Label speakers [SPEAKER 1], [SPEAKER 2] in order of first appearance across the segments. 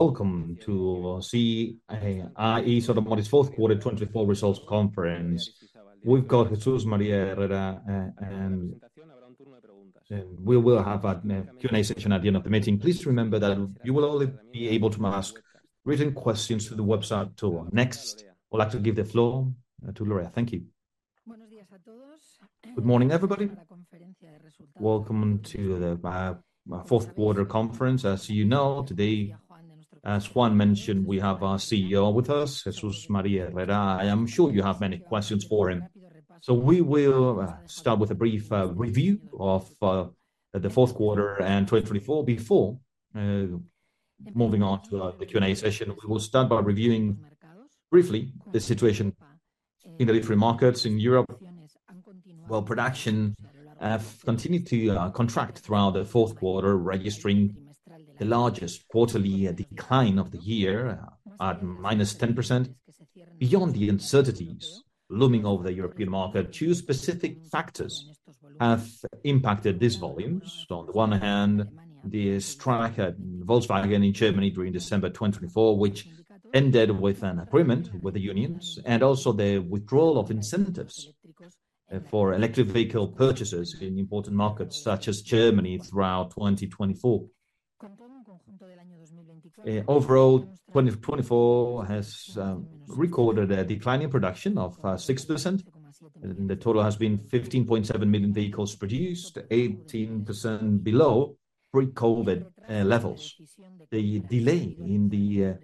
[SPEAKER 1] Welcome to CIE Automotive's fourth quarter 2024 results conference. We’ve got Jesús María Herrera, and we will have a Q&A session at the end of the meeting. Please remember that you will only be able to ask written questions through the website tool. Next, I’d like to give the floor to Lorea. Thank you.
[SPEAKER 2] Good morning, everybody. Welcome to the fourth quarter conference. As you know, today, as Juan mentioned, we have our CEO with us, Jesús María Herrera. I'm sure you have many questions for him. So we will start with a brief review of the fourth quarter and 2024. Before moving on to the Q&A session, we will start by reviewing briefly the situation in the light vehicle markets in Europe. Production has continued to contract throughout the fourth quarter, registering the largest quarterly decline of the year at -10%. Beyond the uncertainties looming over the European market, two specific factors have impacted these volumes. On the one hand, the strike at Volkswagen in Germany during December 2024, which ended with an agreement with the unions, and also the withdrawal of incentives for electric vehicle purchases in important markets such as Germany throughout 2024. Overall, 2024 has recorded a declining production of 6%. The total has been 15.7 million vehicles produced, 18% below pre-COVID levels. The delay in the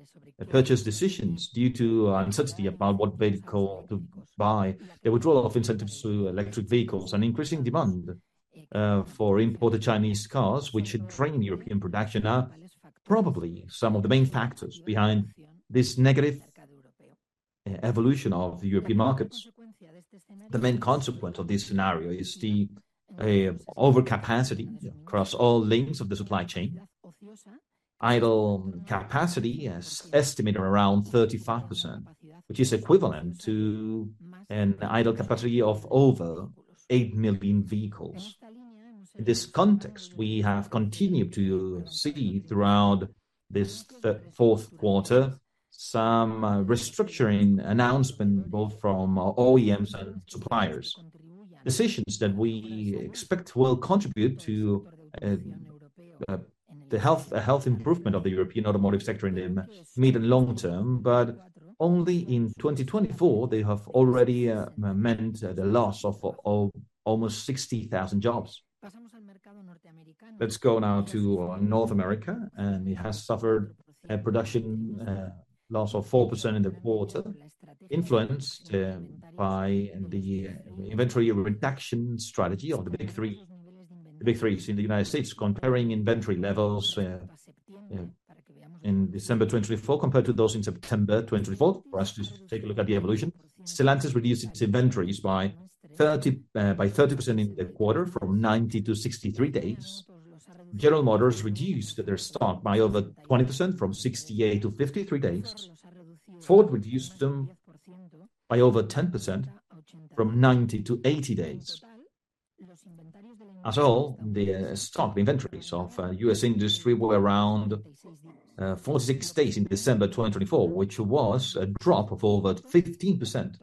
[SPEAKER 2] purchase decisions due to uncertainty about what vehicle to buy, the withdrawal of incentives to electric vehicles, and increasing demand for imported Chinese cars, which should drain European production, are probably some of the main factors behind this negative evolution of the European markets. The main consequence of this scenario is the overcapacity across all lanes of the supply chain. Idle capacity is estimated around 35%, which is equivalent to an idle capacity of over 8 million vehicles. In this context, we have continued to see throughout this fourth quarter some restructuring announcements both from OEMs and suppliers. Decisions that we expect will contribute to the health improvement of the European automotive sector in the medium and long term, but only in 2024, they have already meant the loss of almost 60,000 jobs. Let's go now to North America, and it has suffered a production loss of 4% in the quarter, influenced by the inventory reduction strategy of the Big Three in the United States are comparing inventory levels in December 2024 compared to those in September 2024. For us to take a look at the evolution, Stellantis reduced its inventories by 30% in the quarter, from 90 to 63 days. General Motors reduced their stock by over 20%, from 68 to 53 days. Ford reduced them by over 10%, from 90 to 80 days. As a whole, the stock, the inventories of U.S. industry were around 46 days in December 2024, which was a drop of over 15%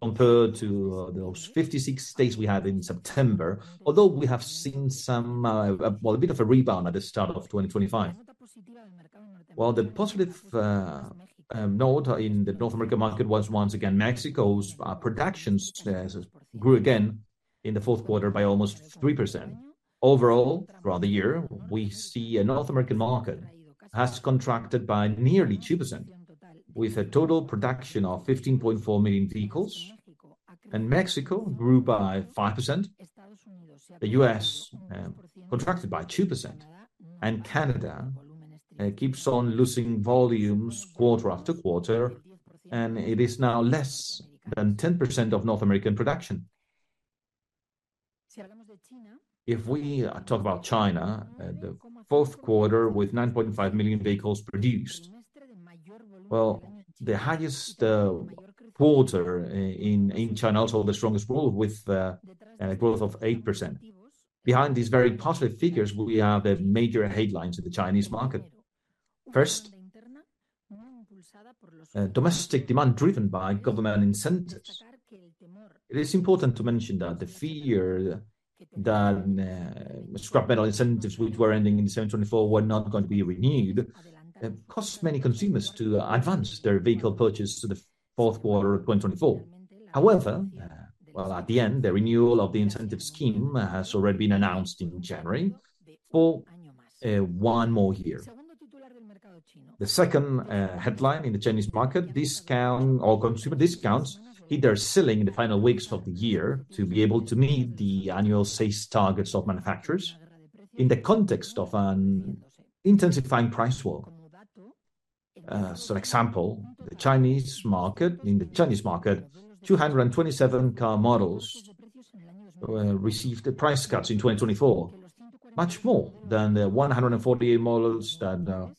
[SPEAKER 2] compared to those 56 days we had in September, although we have seen some, well, a bit of a rebound at the start of 2025. While the positive note in the North American market was once again Mexico's productions, as grew again in the fourth quarter by almost 3%. Overall, throughout the year, we see a North American market has contracted by nearly 2%, with a total production of 15.4 million vehicles, and Mexico grew by 5%. The U.S. contracted by 2%, and Canada keeps on losing volumes quarter after quarter, and it is now less than 10% of North American production. If we talk about China, the fourth quarter with 9.5 million vehicles produced, the highest quarter in China, also the strongest quarter with a growth of 8%. Behind these very positive figures, we have major headlines in the Chinese market. First, domestic demand driven by government incentives. It is important to mention that the fear that scrap metal incentives, which were ending in 2024, were not going to be renewed, caused many consumers to advance their vehicle purchase to the fourth quarter of 2024. However, well, at the end, the renewal of the incentive scheme has already been announced in January for one more year. The second headline in the Chinese market, consumer discounts hit their ceiling in the final weeks of the year to be able to meet the annual sales targets of manufacturers in the context of an intensifying price war. For example, in the Chinese market, 227 car models received price cuts in 2024, much more than the 148 models that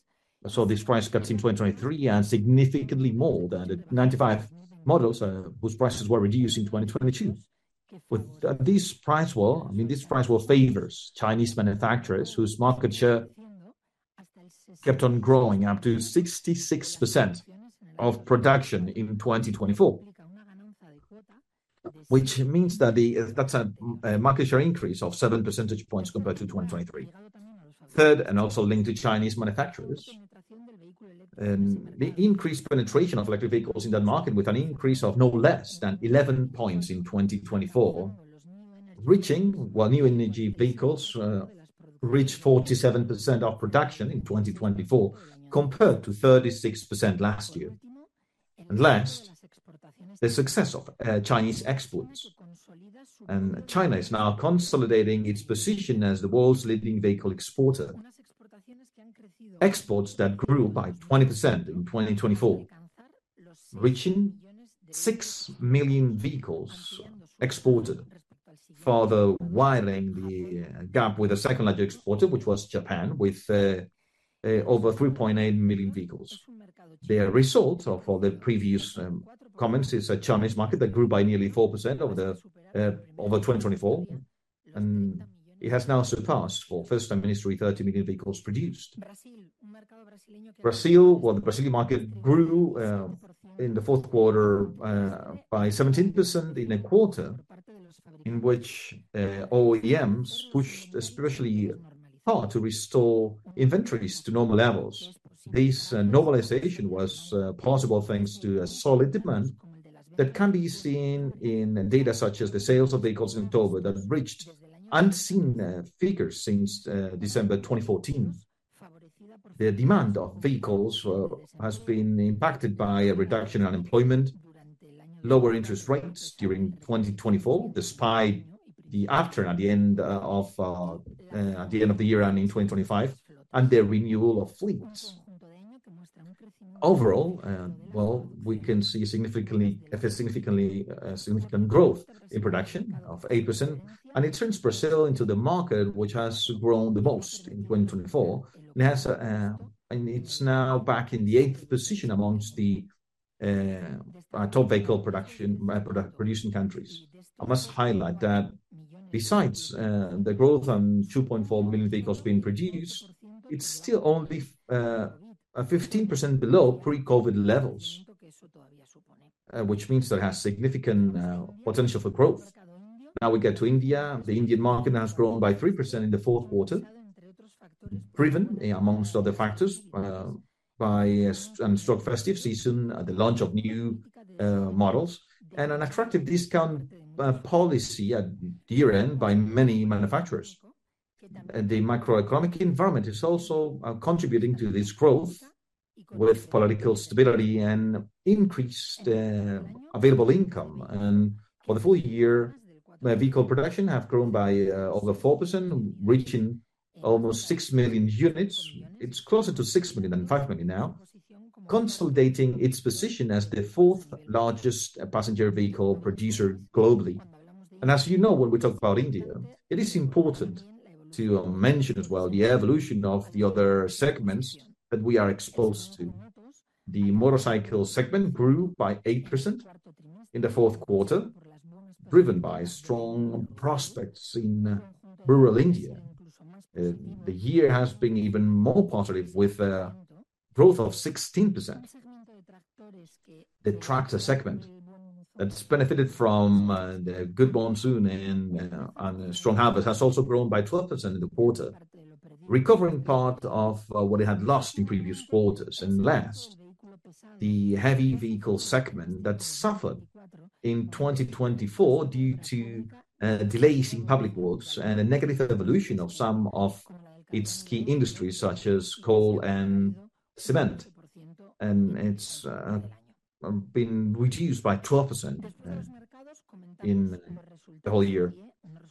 [SPEAKER 2] saw these price cuts in 2023, and significantly more than the 95 models whose prices were reduced in 2022. With this price war, I mean, this price war favors Chinese manufacturers whose market share kept on growing up to 66% of production in 2024, which means that that's a market share increase of 7 percentage points compared to 2023. Third, and also linked to Chinese manufacturers, the increased penetration of electric vehicles in that market, with an increase of no less than 11 points in 2024, reaching, while new energy vehicles reached 47% of production in 2024 compared to 36% last year. Last, the success of Chinese exports. China is now consolidating its position as the world's leading vehicle exporter, exports that grew by 20% in 2024, reaching 6 million vehicles exported, further widening the gap with the second largest exporter, which was Japan, with over 3.8 million vehicles. The result of all the previous comments is a Chinese market that grew by nearly 4% over 2024, and it has now surpassed for the first time in history 30 million vehicles produced. Brazil, well, the Brazilian market grew in the fourth quarter by 17% in a quarter in which OEMs pushed especially hard to restore inventories to normal levels. This normalization was possible thanks to a solid demand that can be seen in data such as the sales of vehicles in October that reached unseen figures since December 2014. The demand for vehicles has been impacted by a reduction in unemployment, lower interest rates during 2024, despite the after and the end of the year in 2025, and the renewal of fleets. Overall, we can see a significant growth in production of 8%, and it turns Brazil into the market which has grown the most in 2024, and it's now back in the eighth position among the top vehicle production producing countries. I must highlight that besides the growth and 2.4 million vehicles being produced, it's still only 15% below pre-COVID levels, which means that it has significant potential for growth. Now we get to India. The Indian market has grown by 3% in the fourth quarter, driven among other factors by a strong festive season, the launch of new models, and an attractive discount policy at year-end by many manufacturers. The macroeconomic environment is also contributing to this growth with political stability and increased available income, and for the full year, vehicle production has grown by over 4%, reaching almost 6 million units. It's closer to 6 million than 5 million now, consolidating its position as the fourth largest passenger vehicle producer globally. As you know, when we talk about India, it is important to mention as well the evolution of the other segments that we are exposed to. The motorcycle segment grew by 8% in the fourth quarter, driven by strong prospects in rural India. The year has been even more positive with a growth of 16%. The tractor segment that benefited from the good monsoon and strong harvest has also grown by 12% in the quarter, recovering part of what it had lost in previous quarters. And last, the heavy vehicle segment that suffered in 2024 due to delays in public works and a negative evolution of some of its key industries such as coal and cement, and it's been reduced by 12% in the whole year.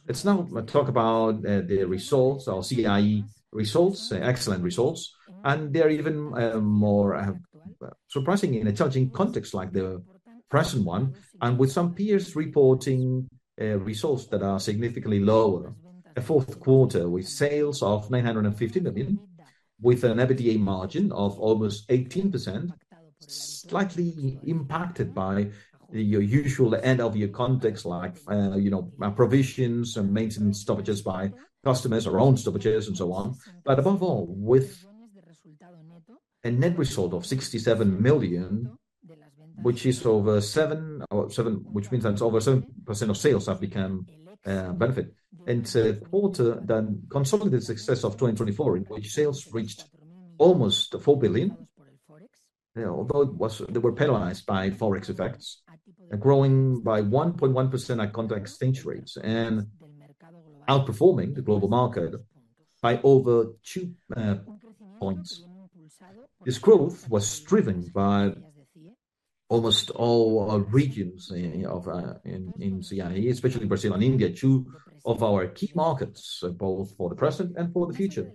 [SPEAKER 2] Let's now talk about the results, our CIE results, excellent results, and they're even more surprising in a challenging context like the present one, and with some peers reporting results that are significantly lower. The fourth quarter with sales of 915 million, with an EBITDA margin of almost 18%, slightly impacted by the usual end-of-year context like provisions and maintenance stoppages by customers or own stoppages and so on. But above all, with a net result of 67 million, which is over 7%, which means that over 7% of sales have become profit. The fourth quarter and consolidated results of 2024, in which sales reached almost 4 billion, although they were penalized by forex effects, growing by 1.1% at constant exchange rates and outperforming the global market by over 2 points. This growth was driven by almost all regions in CIE, especially Brazil and India, two of our key markets, both for the present and for the future.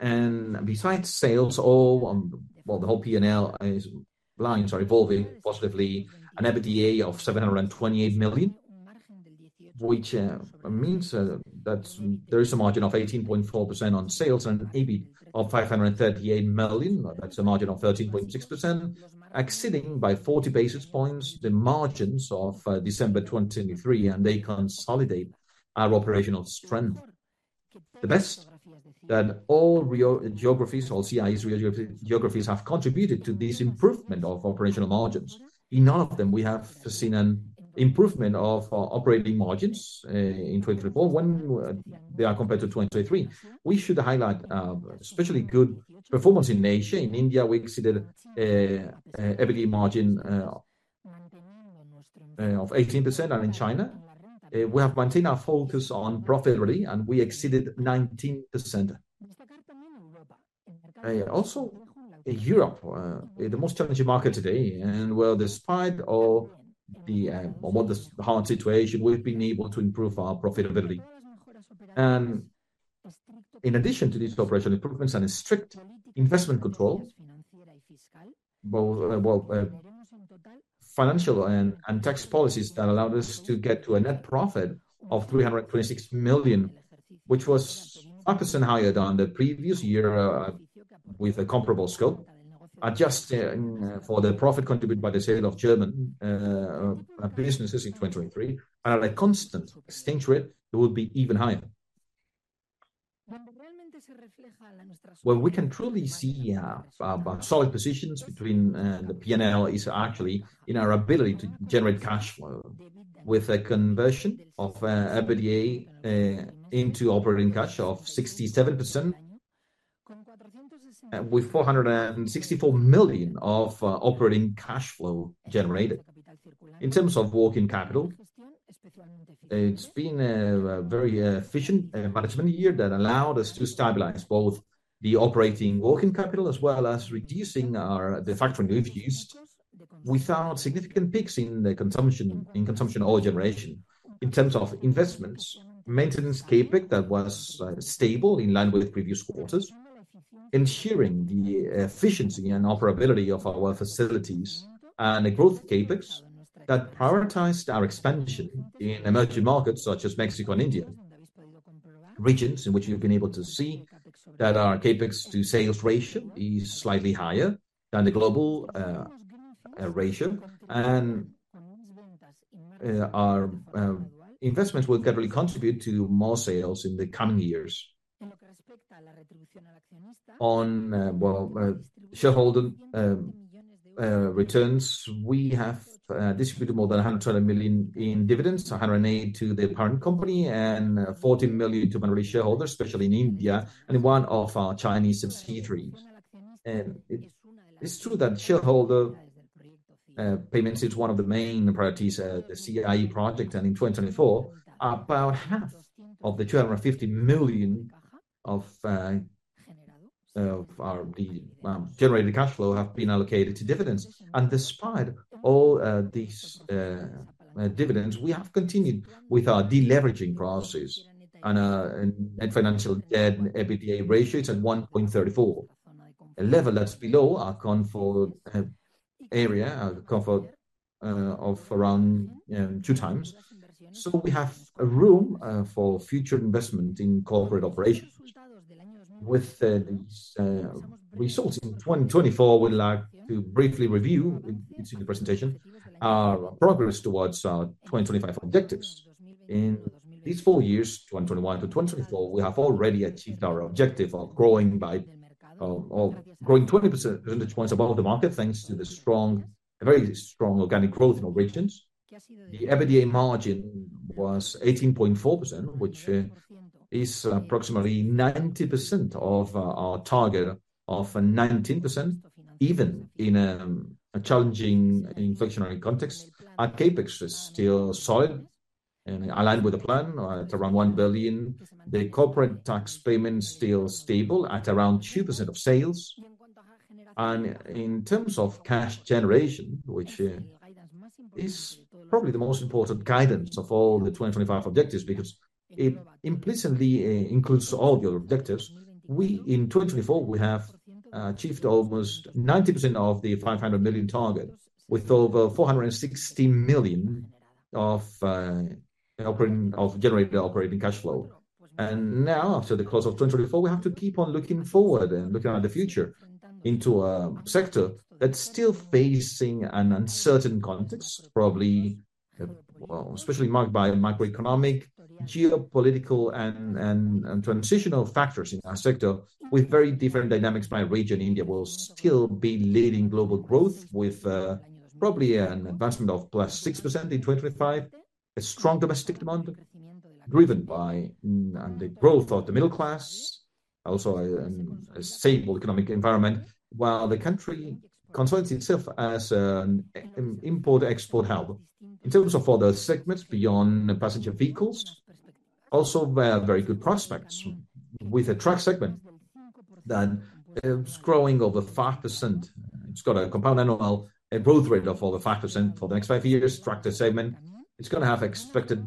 [SPEAKER 2] Besides sales, all, well, the whole P&L is evolving positively, an EBITDA of 728 million, which means that there is a margin of 18.4% on sales and an EBIT of 538 million. That's a margin of 13.6%, exceeding by 40 basis points the margins of December 2023, and they consolidate our operational strength. The best that all geographies, all CIE geographies have contributed to this improvement of operational margins. In all of them, we have seen an improvement of operating margins in 2024 when they are compared to 2023. We should highlight especially good performance in Asia. In India, we exceeded EBITDA margin of 18%, and in China, we have maintained our focus on profitability, and we exceeded 19%. Also, Europe, the most challenging market today. Despite all the hard situation, we've been able to improve our profitability. And in addition to these operational improvements and strict investment control, well, financial and tax policies that allowed us to get to a net profit of 326 million, which was practically higher than the previous year with a comparable scope, adjusting for the profit contributed by the sale of German businesses in 2023. And at a constant exchange rate, it would be even higher. We can truly see solid positions between the P&L is actually in our ability to generate cash flow with a conversion of EBITDA into operating cash of 67%, with 464 million of operating cash flow generated. In terms of working capital, it's been a very efficient management year that allowed us to stabilize both the operating working capital as well as reducing the factoring we've used without significant peaks in consumption or generation. In terms of investments, maintenance CapEx that was stable in line with previous quarters, ensuring the efficiency and operability of our facilities, and a growth CapEx that prioritized our expansion in emerging markets such as Mexico and India. Regions in which we've been able to see that our CapEx to sales ratio is slightly higher than the global ratio, and our investments will gradually contribute to more sales in the coming years. Well, shareholder returns, we have distributed more than 120 million in dividends, 180 million to the parent company and 14 million to minority shareholders, especially in India and in one of our Chinese subsidiaries. And it's true that shareholder payments is one of the main priorities of the CIE project, and in 2024, about half of the 250 million of our generated cash flow have been allocated to dividends. And despite all these dividends, we have continued with our deleveraging process and financial debt and EBITDA ratio is at 1.34x, a level that's below our comfort area, our comfort of around 2x. So we have room for future investment in corporate operations. With these results in 2024, we'd like to briefly review, it's in the presentation, our progress towards our 2025 objectives. In these four years, 2021 to 2024, we have already achieved our objective of growing by 20% percentage points above the market thanks to the strong, very strong organic growth in our regions. The EBITDA margin was 18.4%, which is approximately 90% of our target of 19%, even in a challenging inflationary context. Our CapEx is still solid and aligned with the plan to around 1 billion. The corporate tax payment is still stable at around 2% of sales. And in terms of cash generation, which is probably the most important guidance of all the 2025 objectives because it implicitly includes all the other objectives, in 2024, we have achieved almost 90% of the 500 million target with over 460 million of generated operating cash flow. Now, after the close of 2024, we have to keep on looking forward and looking at the future into a sector that's still facing an uncertain context, probably, well, especially marked by macroeconomic, geopolitical, and transitional factors in our sector with very different dynamics by region. India will still be leading global growth with probably an advancement of +6% in 2025, a strong domestic demand driven by the growth of the middle class, also a stable economic environment, while the country consolidates itself as an import-export hub. In terms of other segments beyond passenger vehicles, also very good prospects with a truck segment that is growing over 5%. It's got a compound annual growth rate of over 5% for the next five years. Tractor segment, it's going to have expected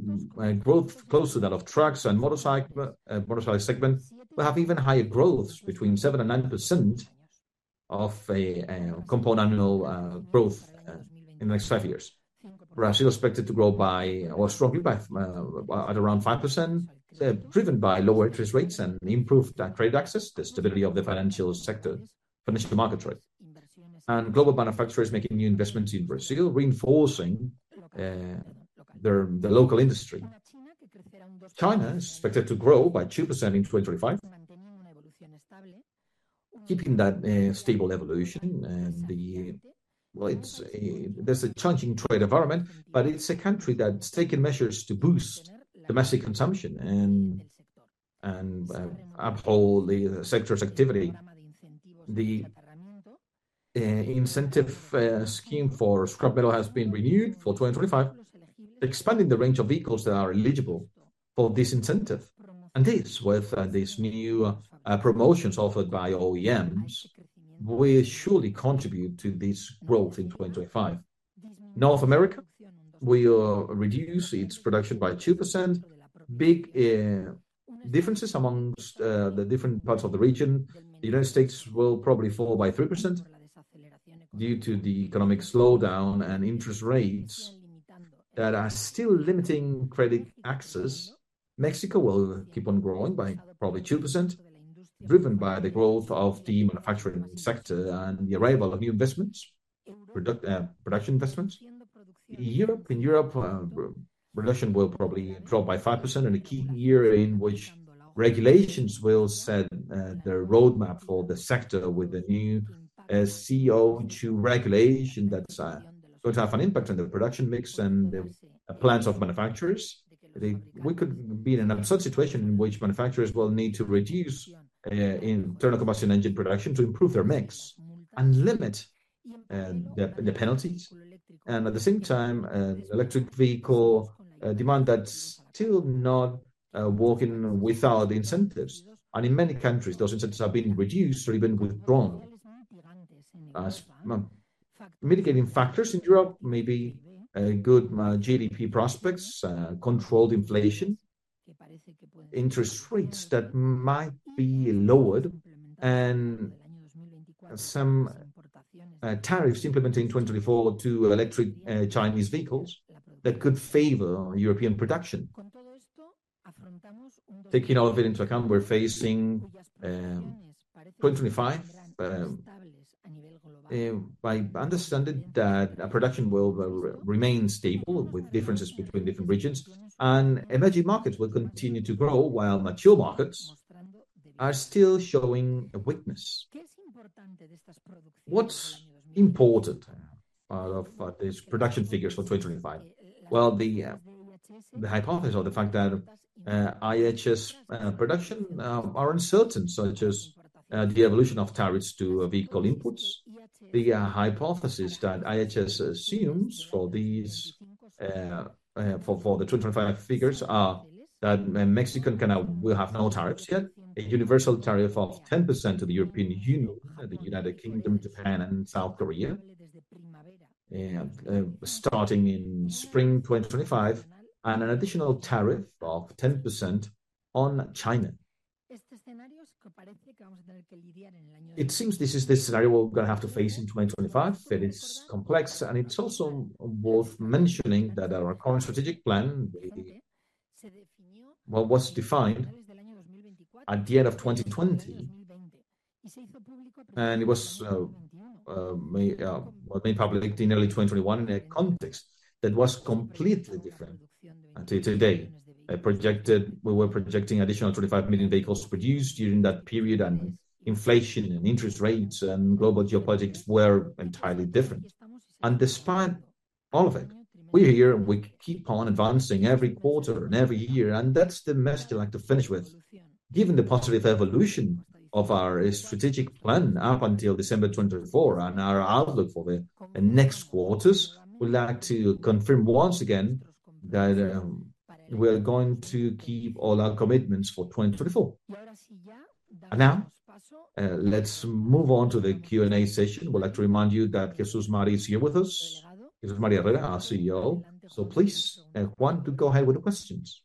[SPEAKER 2] growth close to that of trucks and motorcycle segment. We have even higher growth between 7% and 9% of compound annual growth in the next five years. Brazil is expected to grow by, or strongly by, at around 5%, driven by lower interest rates and improved trade access, the stability of the financial sector, financial market rate, and global manufacturers making new investments in Brazil, reinforcing the local industry. China is expected to grow by 2% in 2025, keeping that stable evolution. And, well, there's a challenging trade environment, but it's a country that's taken measures to boost domestic consumption and uphold the sector's activity. The incentive scheme for scrap metal has been renewed for 2025, expanding the range of vehicles that are eligible for this incentive. And this, with these new promotions offered by OEMs, will surely contribute to this growth in 2025. North America, we will reduce its production by 2%. Big differences amongst the different parts of the region. The United States will probably fall by 3% due to the economic slowdown and interest rates that are still limiting credit access. Mexico will keep on growing by probably 2%, driven by the growth of the manufacturing sector and the arrival of new investments, production investments. Europe, in Europe, production will probably drop by 5% in a key year in which regulations will set the roadmap for the sector with a new CO2 regulation that's going to have an impact on the production mix and the plans of manufacturers. We could be in an absurd situation in which manufacturers will need to reduce internal combustion engine production to improve their mix and limit the penalties, and at the same time, electric vehicle demand that's still not working without incentives, and in many countries, those incentives have been reduced or even withdrawn.
[SPEAKER 1] Mitigating factors in Europe may be good GDP prospects, controlled inflation, interest rates that might be lowered, and some tariffs implemented in 2024 to electric Chinese vehicles that could favor European production. Taking all of it into account, we're facing 2025 by understanding that production will remain stable with differences between different regions, and emerging markets will continue to grow while mature markets are still showing a weakness. What's important out of these production figures for 2025? Well, the hypothesis of the fact that IHS production are uncertain, such as the evolution of tariffs to vehicle inputs. The hypothesis that IHS assumes for the 2025 figures are that Mexico will have no tariffs yet, a universal tariff of 10% to the European Union, the United Kingdom, Japan, and South Korea, starting in spring 2025, and an additional tariff of 10% on China. It seems this is the scenario we're going to have to face in 2025. It's complex, and it's also worth mentioning that our current strategic plan was defined at the end of 2020, and it was made public in early 2021 in a context that was completely different to today. We were projecting additional 25 million vehicles produced during that period, and inflation and interest rates and global geopolitics were entirely different. Despite all of it, we're here and we keep on advancing every quarter and every year, and that's the message I'd like to finish with. Given the positive evolution of our strategic plan up until December 2024 and our outlook for the next quarters, we'd like to confirm once again that we're going to keep all our commitments for 2024. Now, let's move on to the Q&A session. We'd like to remind you that Jesús María is here with us. Jesús María Herrera, our CEO. So please, Juan, to go ahead with the questions.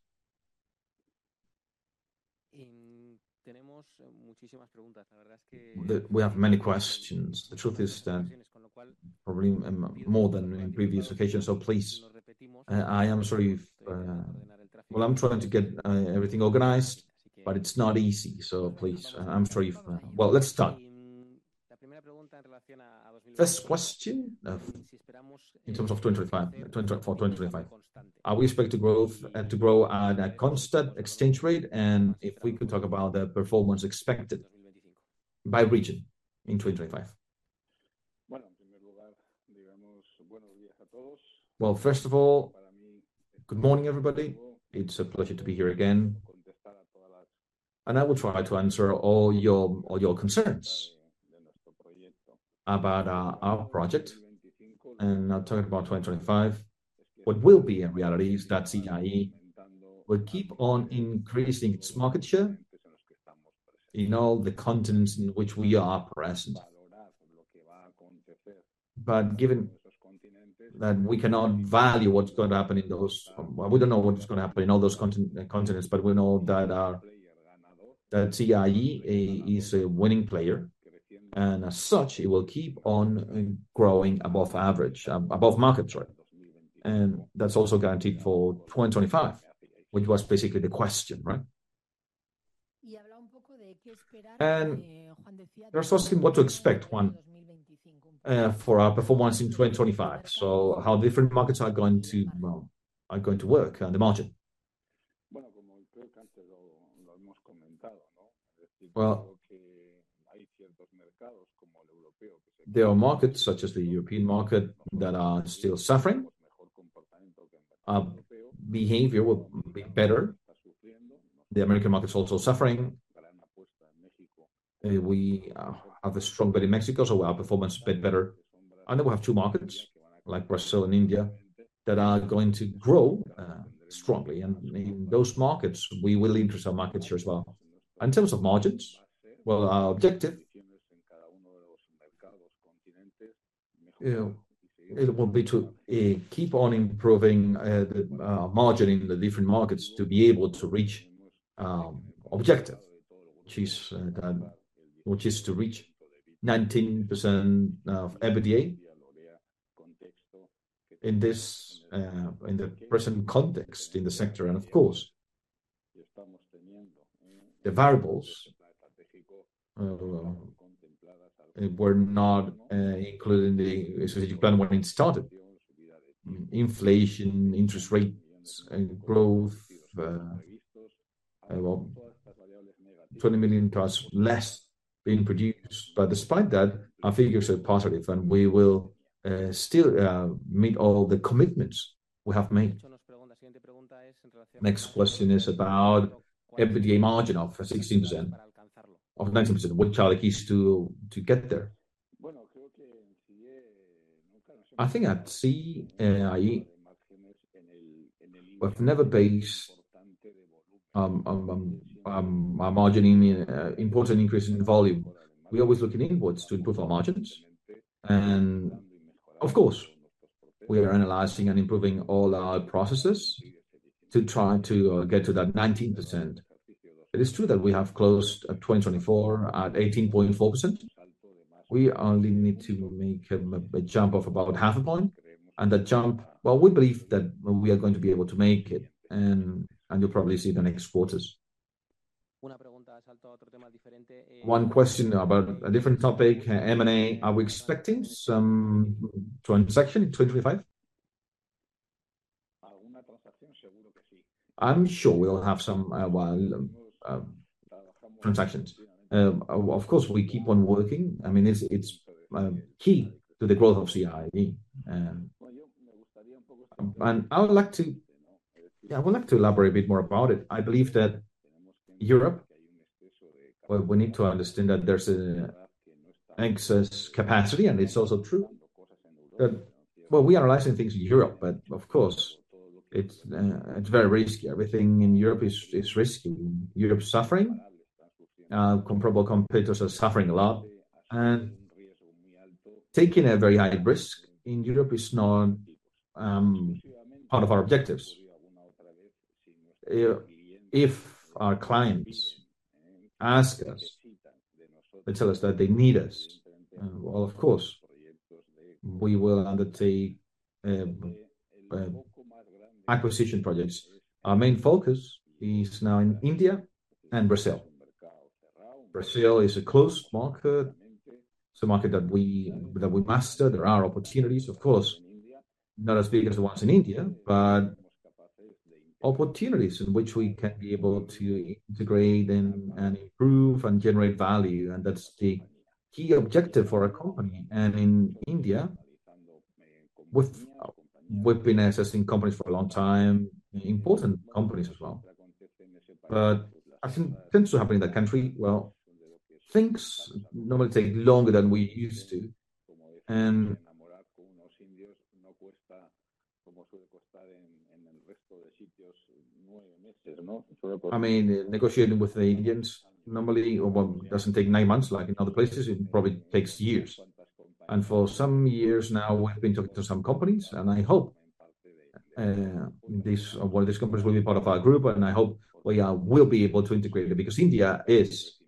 [SPEAKER 1] We have many questions. The truth is that probably more than in previous occasions, so please. I am sorry if, well, I'm trying to get everything organized, but it's not easy, so please. I'm sorry if, well, let's start. First question in terms of 2025. Are we expected to grow at a constant exchange rate? And if we could talk about the performance expected by region in 2025.
[SPEAKER 3] Well, first of all, good morning, everybody. It's a pleasure to be here again. And I will try to answer all your concerns about our project. And I'll talk about 2025. What will be in reality is that CIE will keep on increasing its market share in all the continents in which we are present. But given that we cannot value what's going to happen in those, we don't know what's going to happen in all those continents, but we know that CIE is a winning player, and as such, it will keep on growing above average, above market share. And that's also guaranteed for 2025, which was basically the question, right?
[SPEAKER 2] And they're asking what to expect for our performance in 2025, so how different markets are going to work on the margin.
[SPEAKER 3] There are markets such as the European market that are still suffering. Behavior will be better. The American market is also suffering. We are stronger in Mexico, so our performance is a bit better, and then we have two markets, like Brazil and India, that are going to grow strongly, and in those markets, we will increase our market share as well. In terms of margins, well, our objective will be to keep on improving the margin in the different markets to be able to reach our objective, which is to reach 19% EBITDA in the present context in the sector, and of course, the variables were not included in the strategic plan when it started. Inflation, interest rates, growth, 20 million trucks less being produced, but despite that, our figures are positive, and we will still meet all the commitments we have made.
[SPEAKER 1] Next question is about EBITDA margin of 16%-19%. Which are the keys to get there?
[SPEAKER 3] I think at CIE, we've never based our margin in an important increase in volume. We always look in inputs to improve our margins. And of course, we are analyzing and improving all our processes to try to get to that 19%. It is true that we have closed 2024 at 18.4%. We only need to make a jump of about half a point. And that jump, well, we believe that we are going to be able to make it, and you'll probably see it in the next quarters.
[SPEAKER 1] One question about a different topic, M&A. Are we expecting some transaction in 2025?
[SPEAKER 3] I'm sure we'll have some transactions. Of course, we keep on working. I mean, it's key to the growth of CIE. And I would like to elaborate a bit more about it. I believe that Europe, well, we need to understand that there's an excess capacity, and it's also true. Well, we are analyzing things in Europe, but of course, it's very risky. Everything in Europe is risky. Europe's suffering. Competitors are suffering a lot. And taking a very high risk in Europe is not part of our objectives. If our clients ask us, they tell us that they need us, well, of course, we will undertake acquisition projects. Our main focus is now in India and Brazil. Brazil is a closed market, so a market that we master. There are opportunities, of course, not as big as the ones in India, but opportunities in which we can be able to integrate and improve and generate value. And that's the key objective for a company. In India, we've been assessing companies for a long time, important companies as well. But as it tends to happen in that country, well, things normally take longer than we used to. Negotiating with the Indians normally doesn't take nine months like in other places. It probably takes years. And for some years now, we've been talking to some companies, and I hope these companies will be part of our group, and I hope we will be able to integrate them because India is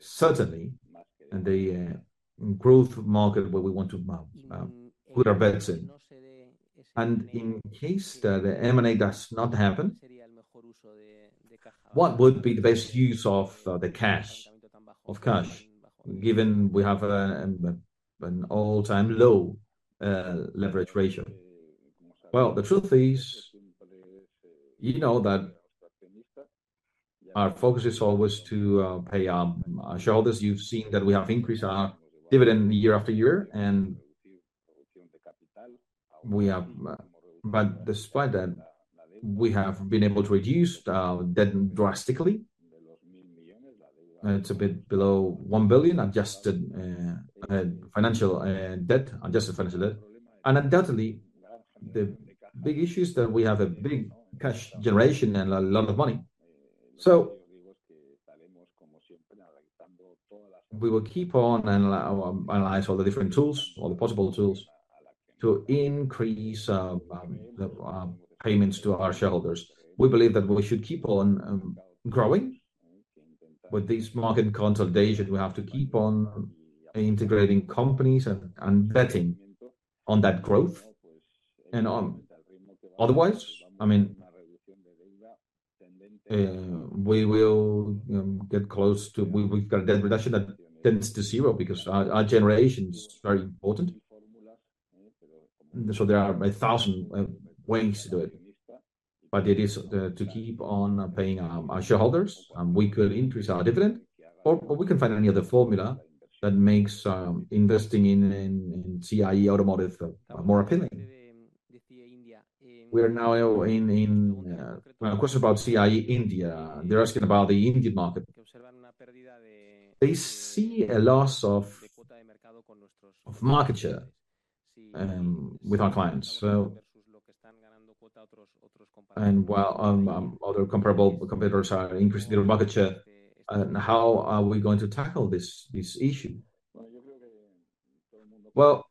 [SPEAKER 3] certainly a growth market where we want to put our bets in.
[SPEAKER 1] And in case that the M&A does not happen, what would be the best use of the cash, given we have an all-time low leverage ratio?
[SPEAKER 3] Well, the truth is, you know that our focus is always to pay our shareholders. You've seen that we have increased our dividend year after year, and despite that, we have been able to reduce our debt drastically. It's a bit below 1 billion adjusted financial debt, adjusted financial debt. And undoubtedly, the big issue is that we have a big cash generation and a lot of money. So we will keep on and analyze all the different tools, all the possible tools to increase payments to our shareholders. We believe that we should keep on growing with this market consolidation. We have to keep on integrating companies and betting on that growth. Otherwise, we've got a debt reduction that tends to zero because our generation is very important. So there are a thousand ways to do it. But it is to keep on paying our shareholders, and we could increase our dividend, or we can find any other formula that makes investing in CIE Automotive more appealing.
[SPEAKER 1] We are now in a question about CIE India. They're asking about the Indian market. They see a loss of market share with our clients. And while other comparables are increasing their market share, how are we going to tackle this issue?
[SPEAKER 3] Well,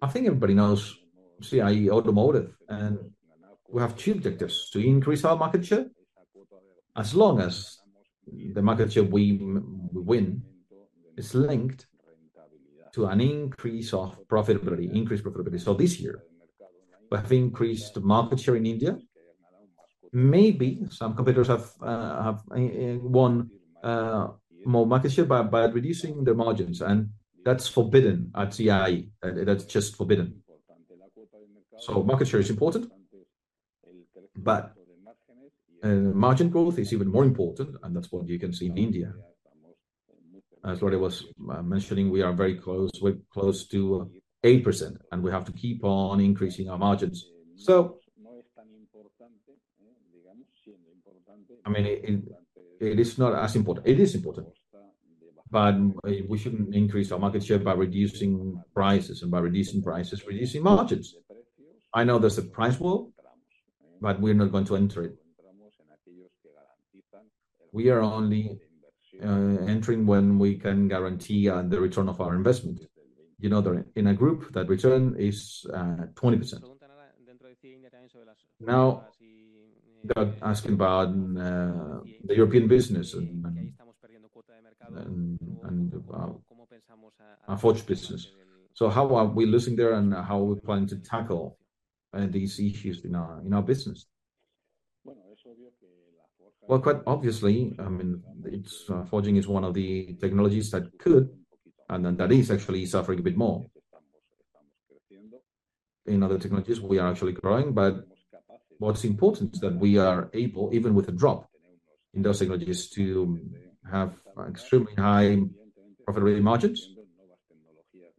[SPEAKER 3] I think everybody knows CIE Automotive, and we have two objectives: to increase our market share as long as the market share we win is linked to an increase of profitability, increased profitability. This year, we have increased market share in India. Maybe some competitors have won more market share by reducing their margins, and that's forbidden at CIE. That's just forbidden. Market share is important, but margin growth is even more important, and that's what you can see in India. As Lorea was mentioning, we are very close. We're close to 8%, and we have to keep on increasing our margins. So I mean, it is not as important. It is important, but we shouldn't increase our market share by reducing prices and by reducing prices, reducing margins. I know there's a price war, but we're not going to enter it. We are only entering when we can guarantee the return of our investment. In a group, that return is 20%.
[SPEAKER 1] Now, they're asking about the European business and our Forging business. How are we losing there and how are we planning to tackle these issues in our business?
[SPEAKER 3] Quite obviously, Forging is one of the technologies that could, and that is actually suffering a bit more. In other technologies, we are actually growing, but what's important is that we are able, even with a drop in those technologies, to have extremely high profitability margins.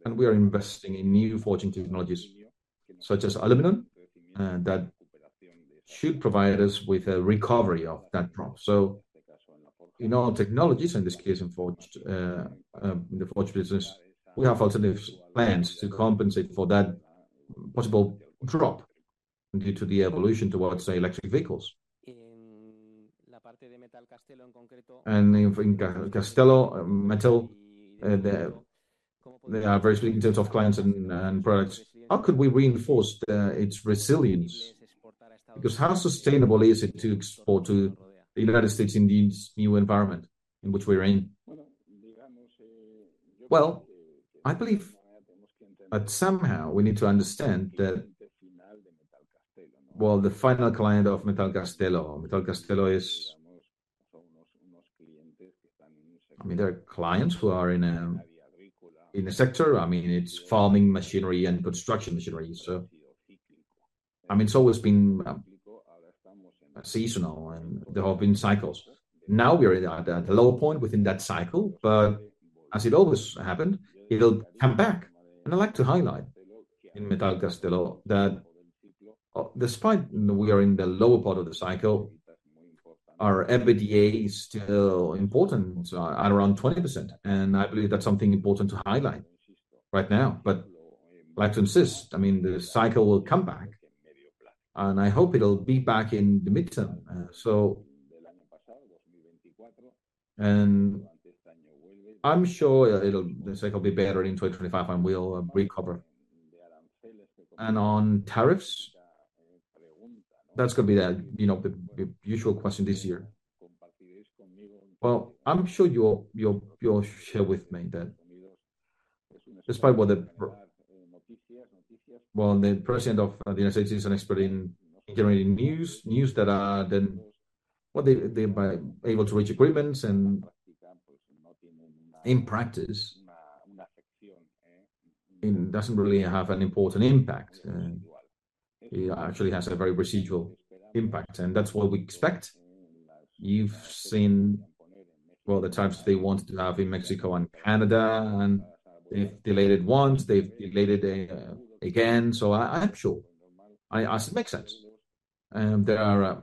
[SPEAKER 3] We are investing in new forging technologies such as aluminum that should provide us with a recovery of that drop. In all technologies, in this case, in the forge business, we have alternative plans to compensate for that possible drop due to the evolution towards electric vehicles.
[SPEAKER 1] In Metalcastello, there are various in terms of clients and products. How could we reinforce its resilience? Because how sustainable is it to export to the United States in this new environment in which we're in?
[SPEAKER 3] I believe that somehow we need to understand that, well, the final client of Metalcastello, Metalcastello is, I mean, there are clients who are in a sector, I mean, it's farming machinery and construction machinery. So, I mean, it's always been seasonal and developing cycles. Now we are at the low point within that cycle, but as it always happened, it'll come back. And I'd like to highlight in Metalcastello that despite we are in the lower part of the cycle, our EBITDA is still important at around 20%. And I believe that's something important to highlight right now. But I like to insist, I mean, the cycle will come back, and I hope it'll be back in the midterm. So I'm sure the cycle will be better in 2025, and we'll recover. And on tariffs, that's going to be the usual question this year. Well, I'm sure you'll share with me that despite what the, well, the president of the United States is an expert in generating news that are able to reach agreements and in practice doesn't really have an important impact. It actually has a very residual impact, and that's what we expect. You've seen all the tariffs they want to have in Mexico and Canada, and they've delayed it once. They've delayed it again, so I'm sure it makes sense. There are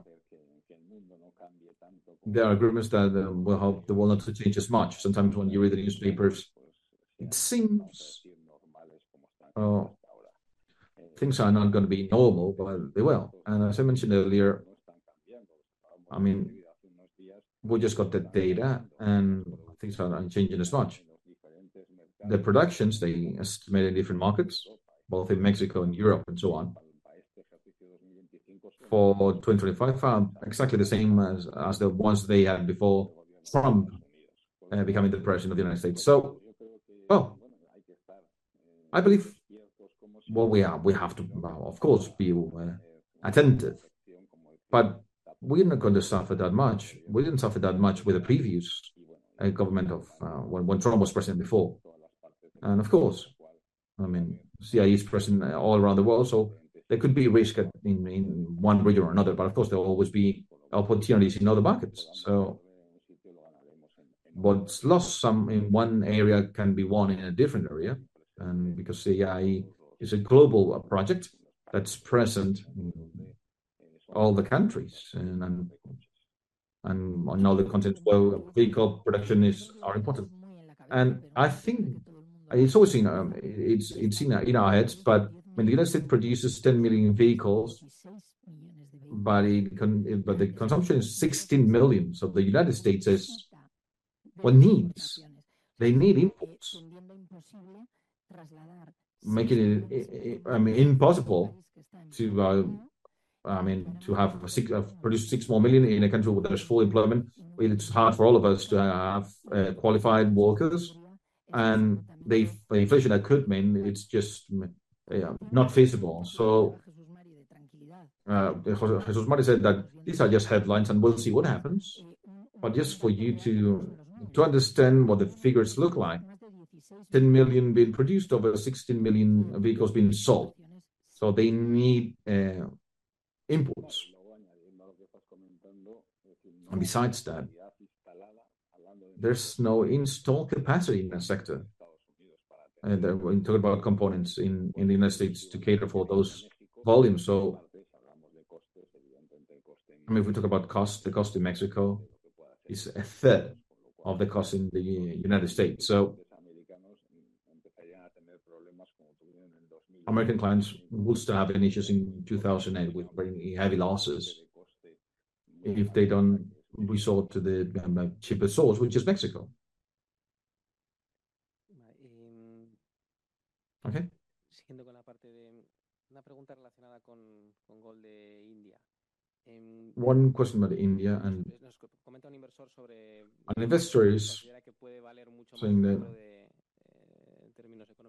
[SPEAKER 3] agreements that will not change as much. Sometimes when you read the newspapers, it seems things are not going to be normal, but they will, and as I mentioned earlier, I mean, we just got the data, and things aren't changing as much. The productions, they estimate in different markets, both in Mexico and Europe and so on, for 2025, exactly the same as the ones they had before Trump became the President of the United States, so, well, I believe what we have, we have to, of course, be attentive, but we're not going to suffer that much. We didn't suffer that much with the previous government when Trump was president before. Of course, I mean, CIE is present all around the world, so there could be risk in one region or another, but of course, there will always be opportunities in other markets. What's lost in one area can be won in a different area because CIE is a global project that's present in all the countries and on all the continent where vehicle production is important.
[SPEAKER 2] I think it's always in our heads, but when the United States produces 10 million vehicles, but the consumption is 16 million, so the United States has what needs? They need inputs, making it impossible to have produced 6 more million in a country where there's full employment. It's hard for all of us to have qualified workers, and the inflation that could mean it's just not feasible. Jesús María said that these are just headlines, and we'll see what happens. But just for you to understand what the figures look like, 10 million being produced, over 16 million vehicles being sold. They need inputs.
[SPEAKER 3] Besides that, there's no installed capacity in that sector. We talk about components in the United States to cater for those volumes. I mean, if we talk about cost, the cost in Mexico is 1/3 of the cost in the United States. American clients will still have incentives in 2008 with pretty heavy losses if they don't resort to the cheapest source, which is Mexico.
[SPEAKER 1] Okay. One question about India and an investor is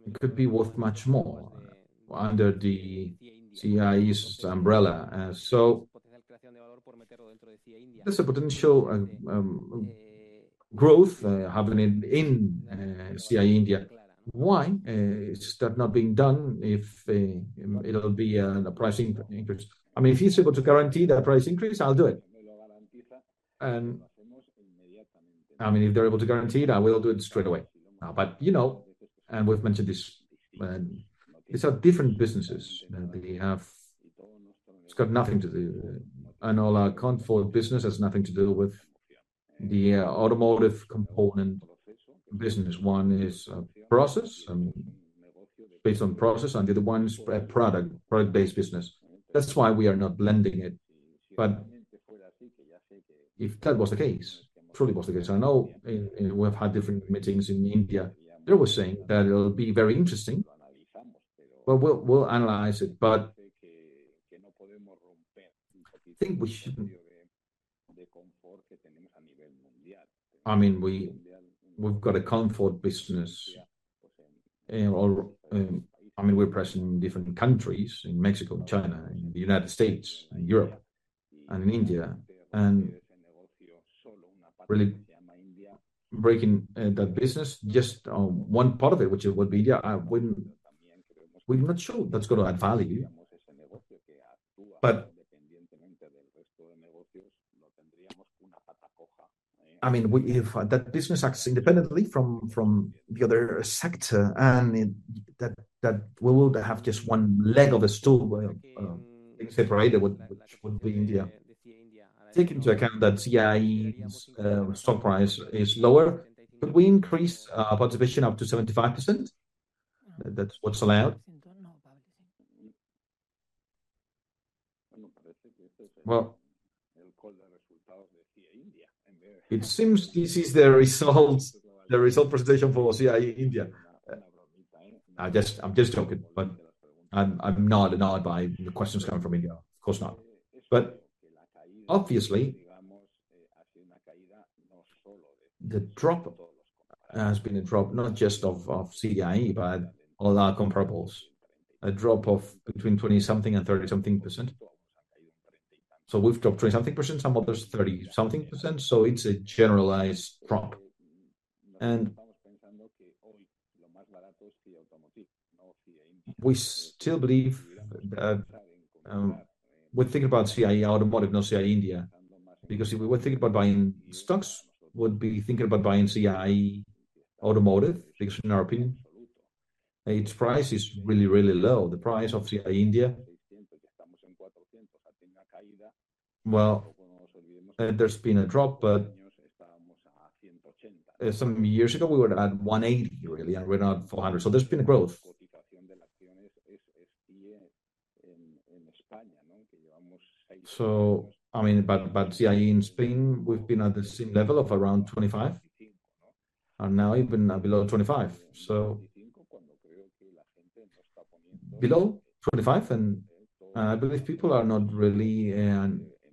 [SPEAKER 1] it could be worth much more under the CIE's umbrella. There's a potential growth happening in CIE India. Why is that not being done if it'll be a price increase?
[SPEAKER 3] I mean, if he's able to guarantee that price increase, I'll do it. If they're able to guarantee it, I will do it straight away. But you know, and we've mentioned this, these are different businesses. It's got nothing to do. And all our Forge business has nothing to do with the automotive component business. One is a process, based on process, and the other one is a product-based business. That's why we are not blending it. But if that was the case, truly was the case, I know we've had different meetings in India. They were saying that it'll be very interesting, but we'll analyze it. But I think we shouldn't. I mean, we've got a forge business. I mean, we're present in different countries, in Mexico, China, in the United States, in Europe, and in India. And breaking that business, just one part of it, which would be India, we're not sure that's going to add value.
[SPEAKER 1] But I mean, if that business acts independently from the other sector and that we will have just one leg of a stool separated, which would be India, taking into account that CIE's stock price is lower, could we increase our participation up to 75%? That's what's allowed.
[SPEAKER 3] Well, it seems this is the result presentation for CIE India. I'm just joking, but I'm not annoyed by the questions coming from India. Of course not. But obviously, the drop has been a drop not just of CIE, but all our comparables. A drop of between 20%-something and 30%-something. So we've dropped 20%-something, some others 30%-something. It's a generalized drop, and we still believe that we're thinking about CIE Automotive, not CIE India, because if we were thinking about buying stocks, we would be thinking about buying CIE Automotive because in our opinion, its price is really, really low. The price of CIE India, well, there's been a drop, but some years ago we were at 180, really, and we're now at 400. So there's been a growth. CIE in Spain, we've been at the same level of around 25, and now even below 25. So below 25? And I believe people are not really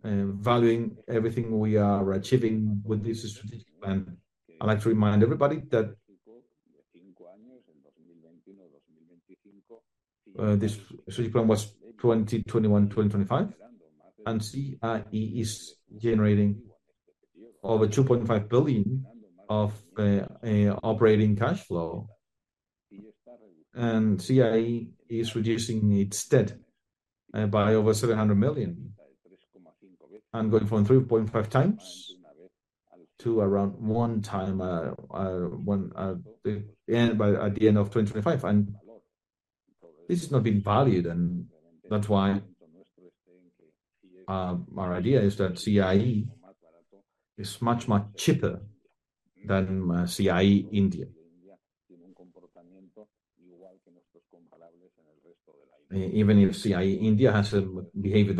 [SPEAKER 3] valuing everything we are achieving with this strategic plan. I'd like to remind everybody that this strategic plan was 2021-2025, and CIE is generating over 2.5 billion of operating cash flow. CIE is reducing its debt by over 700 million and going from 3.5x to around 1x at the end of 2025. This is not being valued, and that's why our idea is that CIE is much, much cheaper than CIE India. Even if CIE India has a behavior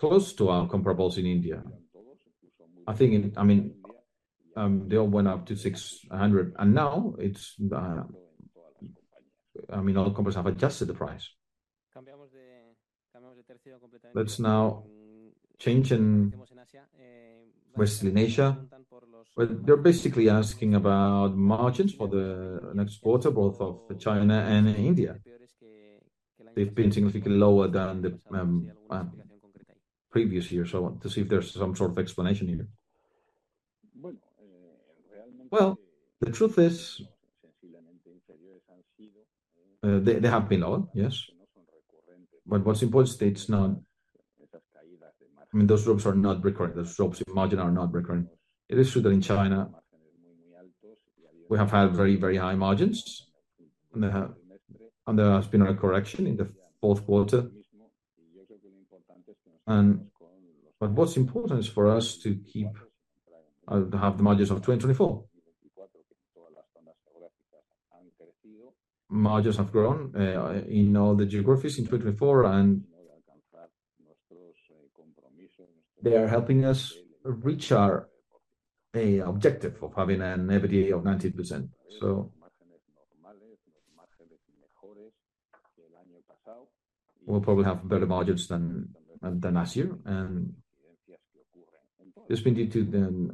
[SPEAKER 3] that's close to our comparables in India, I think, I mean, they all went up to 600. Now, I mean, all companies have adjusted the price.
[SPEAKER 1] That's now changing in Asia. They're basically asking about margins for the next quarter, both of China and India. They've been significantly lower than the previous year, so to see if there's some sort of explanation here.
[SPEAKER 3] The truth is they have been lower, yes. But what's important is that those drops are not recurring. Those drops in margin are not recurring. It is true that in China, we have had very, very high margins, and there has been a correction in the fourth quarter. But what's important is for us to keep to have the margins of 2024. Margins have grown in all the geographies in 2024, and they are helping us reach our objective of having an EBITDA of 19%. So we'll probably have better margins than last year. And there's been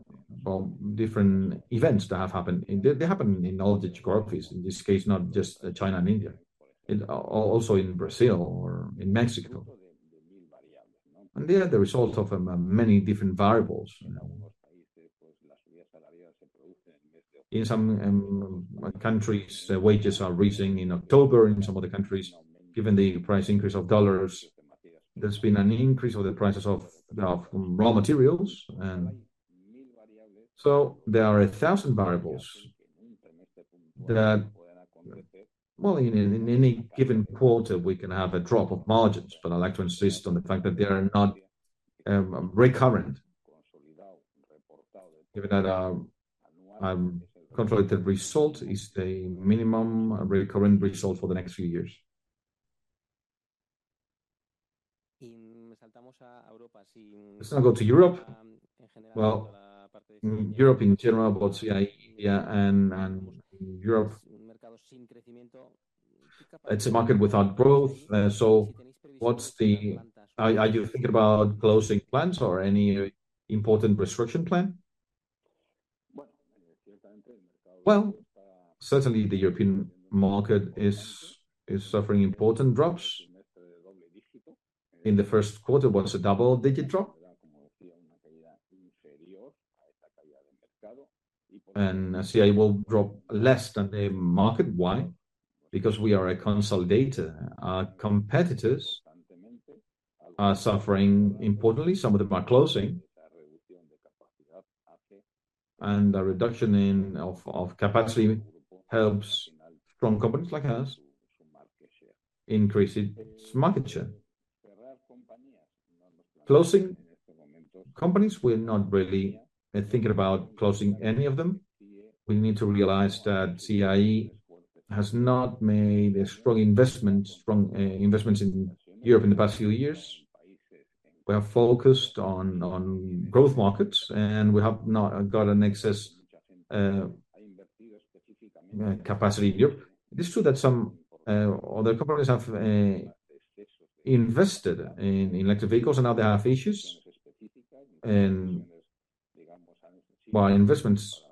[SPEAKER 3] different events that have happened. They happen in all the geographies, in this case, not just China and India, also in Brazil or in Mexico. And they are the result of many different variables. In some countries, wages are rising in October. In some of the countries, given the price increase of dollars, there's been an increase of the prices of raw materials. So there are a thousand variables that, well, in any given quarter, we can have a drop in margins, but I'd like to insist on the fact that they are not recurrent given that the result is the minimum recurring result for the next few years.
[SPEAKER 1] Let's go now to Europe. Well, Europe in general, without CIE India, it's a market without growth. Are you thinking about closing plants or any important restructuring plan?
[SPEAKER 3] Well, certainly, the European market is suffering important drops. In the first quarter, it was a double-digit drop, and CIE will drop less than the market. Why? Because we are consolidated. Our competitors are suffering importantly. Some of them are closing, and the reduction in capacity helps strong companies like us increase its market share. Closing? Companies will not really think about closing any of them. We need to realize that CIE has not made strong investments in Europe in the past few years. We have focused on growth markets, and we have not added excess capacity in Europe. It is true that some other companies have invested in electric vehicles, and now they have issues in why investments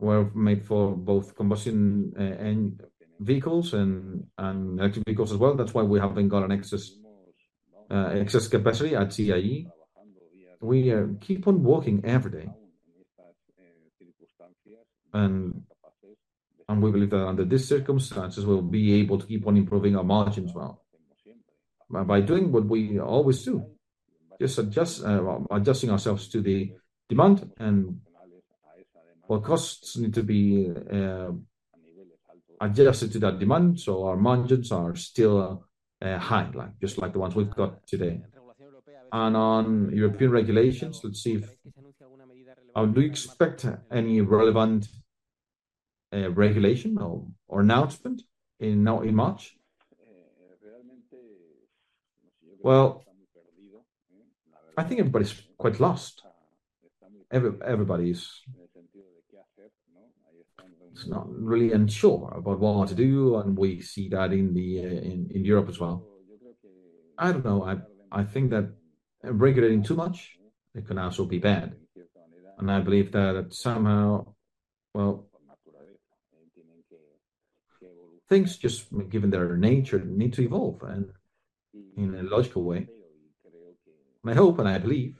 [SPEAKER 3] were made for both combustion vehicles and electric vehicles as well. That's why we haven't gotten excess capacity at CIE. We keep on working every day. We believe that under these circumstances, we'll be able to keep on improving our margins well by doing what we always do, just adjusting ourselves to the demand. Our costs need to be adjusted to that demand so our margins are still high, just like the ones we've got today.
[SPEAKER 1] On European regulations, let's see, do we expect any relevant regulation or announcement in March?
[SPEAKER 3] I think everybody's quite lost. Everybody's not really sure about what to do, and we see that in Europe as well. I don't know. I think that regulating too much can also be bad. I believe that somehow, well, things, just given their nature, need to evolve in a logical way. My hope and I believe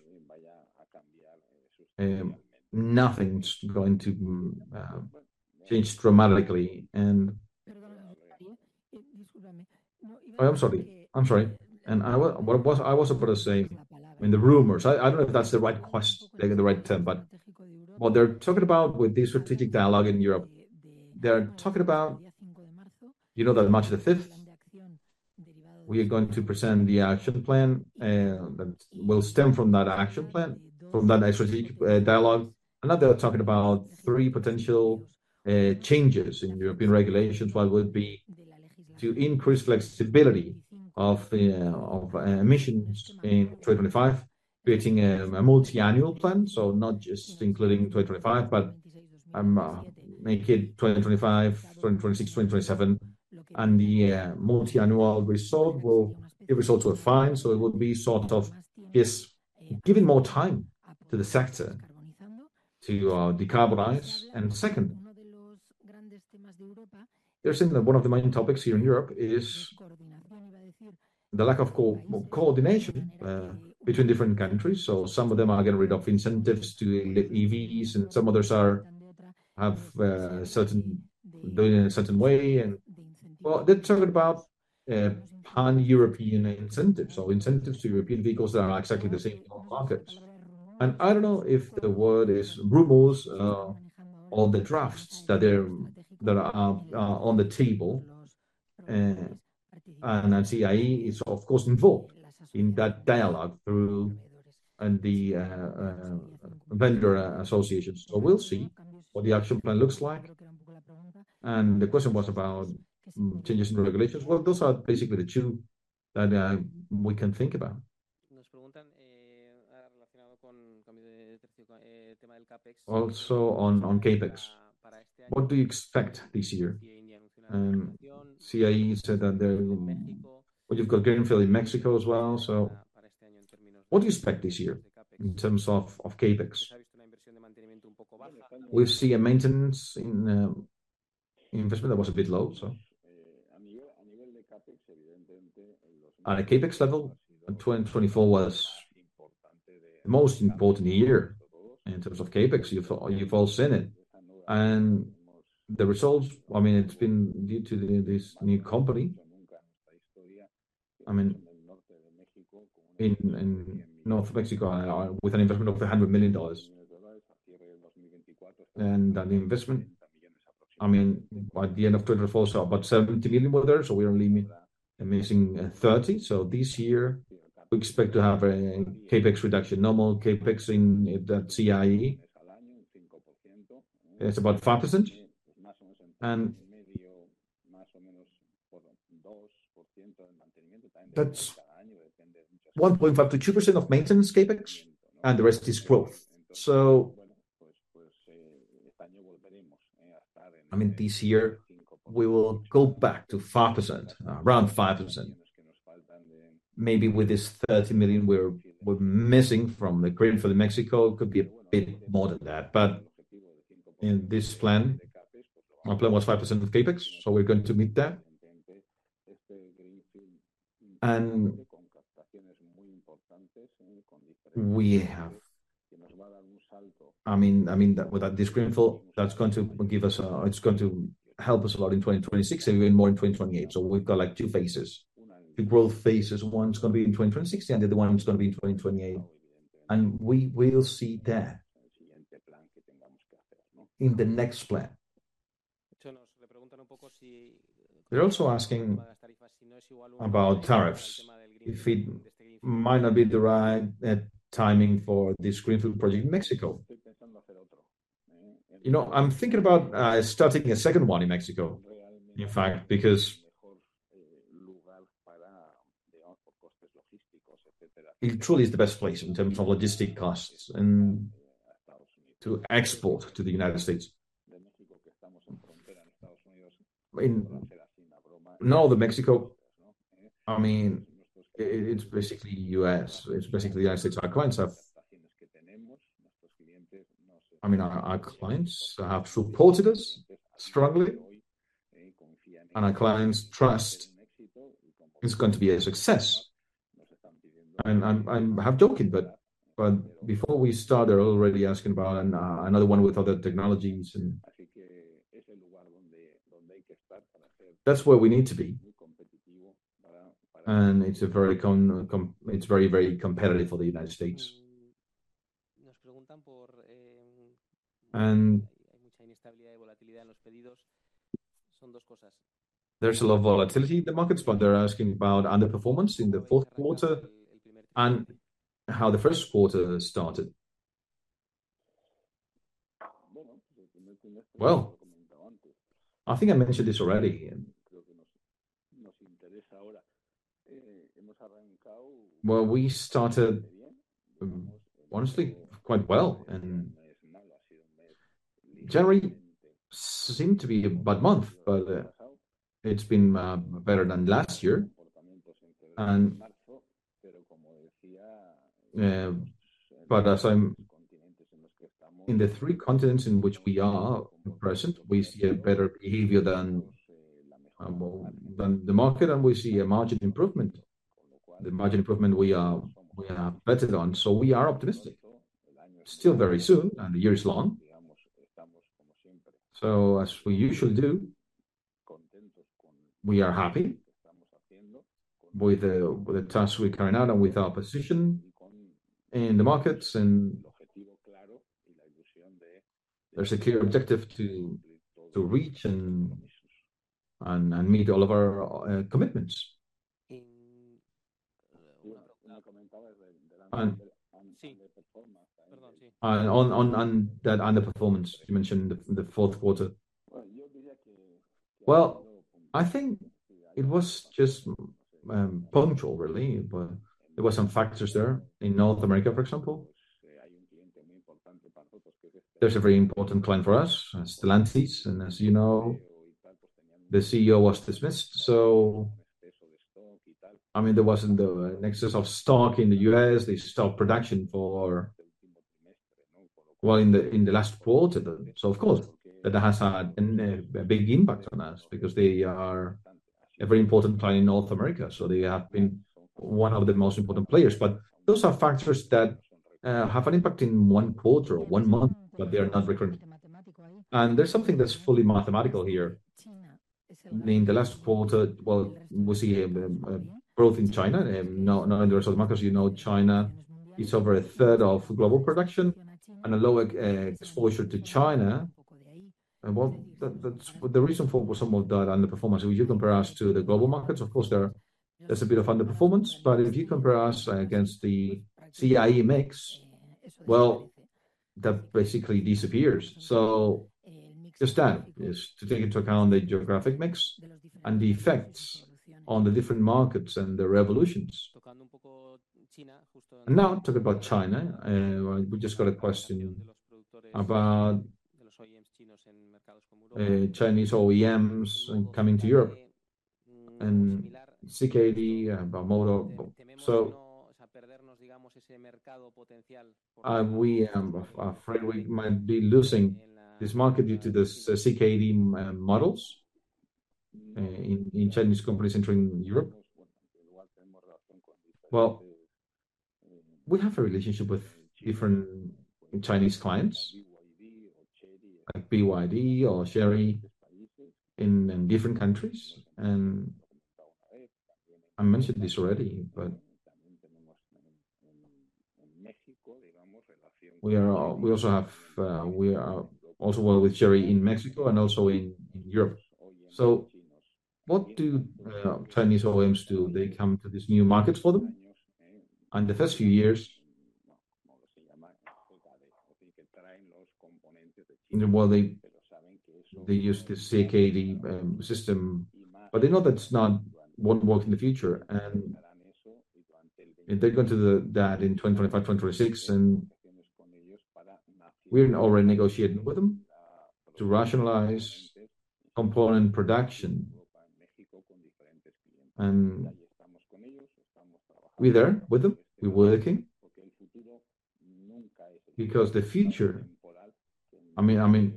[SPEAKER 3] nothing's going to change dramatically.
[SPEAKER 2] I'm sorry. I'm sorry. I was about to say, I mean, the rumors. I don't know if that's the right term, but what they're talking about with this strategic dialogue in Europe, they're talking about, you know, that March 5th, we are going to present the action plan that will stem from that action plan, from that strategic dialogue. Now they're talking about three potential changes in European regulations. What would be to increase flexibility of emissions in 2025, creating a multi-annual plan, so not just including 2025, but make it 2025, 2026, 2027. The multi-annual result will result to a fine. It would be sort of giving more time to the sector to decarbonize. And second, there's one of the main topics here in Europe is the lack of coordination between different countries. So some of them are getting rid of incentives to EVs, and some others have certain ways. Well, they're talking about pan-European incentives, so incentives to European vehicles that are exactly the same in all markets. And I don't know if the word is rumors or the drafts that are on the table. And CIE is, of course, involved in that dialogue through the vendor associations. So we'll see what the action plan looks like. And the question was about changes in regulations. Well, those are basically the two that we can think about.
[SPEAKER 1] Also on CapEx, what do you expect this year? CIE said that they're going to get greenfield in Mexico as well. So what do you expect this year in terms of CapEx?
[SPEAKER 3] We see a maintenance in investment that was a bit low. So on a CapEx level, 2024 was the most important year in terms of CapEx. You've all seen it. And the results, I mean, it's been due to this new company, I mean, in North Mexico with an investment of $100 million. And that investment, by the end of 2024, it's about $70 million worth. So we're only missing $30 million. So this year, we expect to have a CapEx reduction. Normal CapEx in CIE, it's about 5%. 1.5%-2% of maintenance CapEx, and the rest is growth. So this year, we will go back to 5%, around 5%. Maybe with this $30 million we're missing from the greenfield in Mexico, it could be a bit more than that. But in this plan, our plan was 5% of CapEx, so we're going to meet that. We have to meet that with that greenfield. That's going to give us, it's going to help us a lot in 2026, even more in 2028. We've got two phases. The growth phases, one's going to be in 2026, and the other one's going to be in 2028. And we will see that in the next plan. They're also asking about tariffs if it might not be the right timing for this greenfield project in Mexico. I'm thinking about starting a second one in Mexico, in fact, because it truly is the best place in terms of logistic costs to export to the United States. No, Mexico, it's basically the United States. Our clients have supported us. I mean, our clients have supported us strongly, and our clients trust it's going to be a success. I'm half joking, but before we start, they're already asking about another one with other technologies. That's where we need to be. It's very, very competitive for the United States. There's a lot of volatility in the markets, but they're asking about underperformance in the fourth quarter and how the first quarter started. I think I mentioned this already. We started honestly quite well. January seemed to be a bad month, but it's been better than last year. In the three continents in which we are present, we see a better behavior than the market, and we see a margin improvement. The margin improvement we are better on. We are optimistic. Still very soon, and the year is long. So as we usually do, we are happy with the task we carry now and with our position in the markets and the secure objective to reach and meet all of our commitments. And on that underperformance, you mentioned the fourth quarter. Well, I think it was just punctual, really. But there were some factors there. In North America, for example, there's a very important client for us, Stellantis. And as you know, the CEO was dismissed. So I mean, there wasn't an excess of stock in the U.S. They stopped production for, well, in the last quarter. So of course, that has had a big impact on us because they are a very important client in North America. So they have been one of the most important players. But those are factors that have an impact in one quarter or one month, but they are not recurrent.
[SPEAKER 2] There's something that's fully mathematical here. In the last quarter, well, we see growth in China. Not only the rest of the markets, you know, China is over 1/3 of global production, and a lower exposure to China. Well, that's the reason for some of that underperformance. If you compare us to the global markets, of course, there's a bit of underperformance. But if you compare us against the CIE mix, well, that basically disappears. So just that is to take into account the geographic mix and the effects on the different markets and the evolutions.
[SPEAKER 1] Now, talking about China, we just got a question about Chinese OEMs coming to Europe and CKD autos. So we might be losing this market due to the CKD models in Chinese companies entering Europe.
[SPEAKER 3] Well, we have a relationship with different Chinese clients, like BYD or Chery in different countries. I mentioned this already, but we also have worked with Chery in Mexico and also in Europe. What do Chinese OEMs do? They come to these new markets for them. The first few years, they use the CKD system. They know that's not what works in the future. They're going to do that in 2025, 2026. We're already negotiating with them to rationalize component production. We're there with them. We're working because the future, I mean,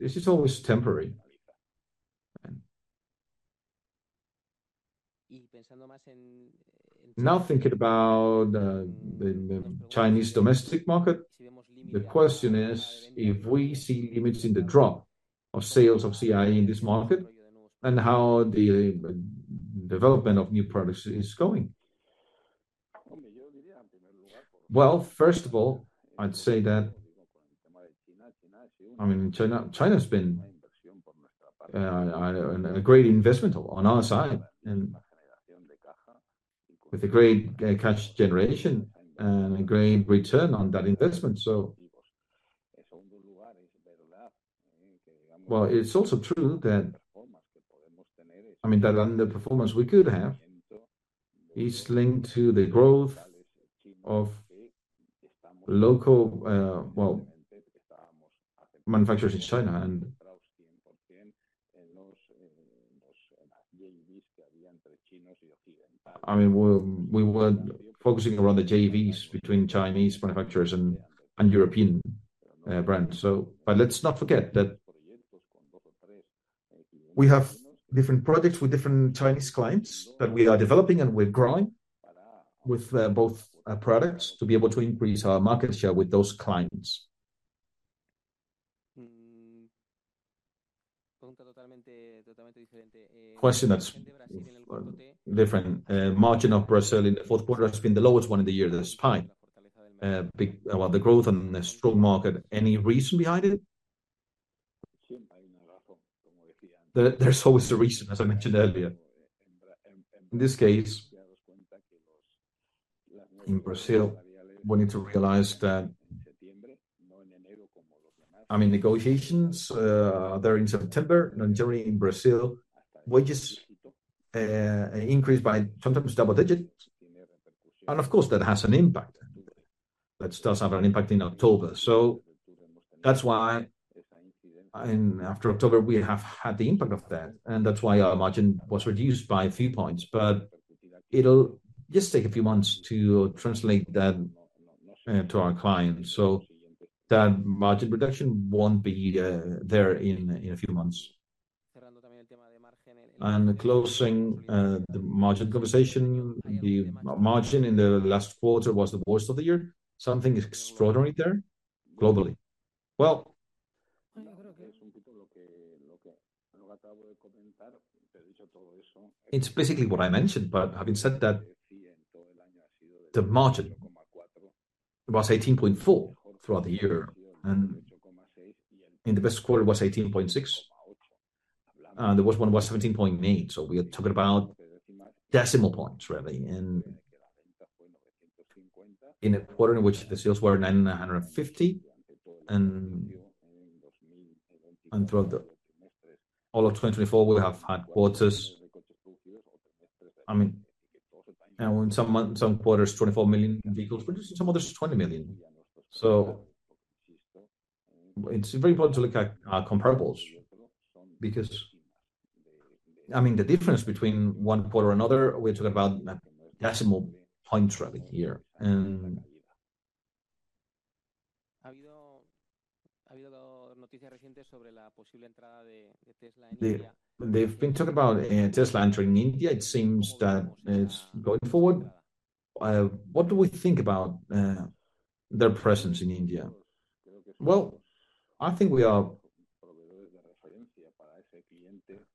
[SPEAKER 3] this is always temporary.
[SPEAKER 1] Now, thinking about the Chinese domestic market, the question is if we see limits in the drop of sales of CIE in this market and how the development of new products is going.
[SPEAKER 3] First of all, I'd say that China has been a great investment on our side with a great cash generation and a great return on that investment. So it's also true that underperformance we could have is linked to the growth of local manufacturers in China and I mean, we were focusing around the JVs between Chinese manufacturers and European brands. But let's not forget that we have different projects with different Chinese clients that we are developing and we're growing with both products to be able to increase our market share with those clients.
[SPEAKER 1] Question that's different. Margin in Brazil in the fourth quarter has been the lowest one in the year. That's why. The growth and the strong market, any reason behind it?
[SPEAKER 3] There's always a reason, as I mentioned earlier. In this case, in Brazil, we need to realize that negotiations there in September, in Brazil, wages increased by sometimes double digits, and of course, that has an impact. That does have an impact in October, so that's why after October, we have had the impact of that, and that's why our margin was reduced by a few points, but it'll just take a few months to translate that to our clients. That margin reduction won't be there in a few months, and closing the margin conversation, the margin in the last quarter was the worst of the year. Something extraordinary there, globally. Well, it's basically what I mentioned, but having said that, the margin was 18.4 throughout the year, and in the best quarter, it was 18.6, and the worst one was 17.8. So we are talking about decimal points, really. And in a quarter in which the sales were 950. And throughout all of 2024, we have had quarters. I mean, in some quarters, 24 million vehicles, producing some others 20 million. So it's very important to look at comparables because, I mean, the difference between one quarter and another, we're talking about decimal points, really, here.
[SPEAKER 1] They've been talking about Tesla entering India. It seems that it's going forward. What do we think about their presence in India?
[SPEAKER 3] Well, I think we are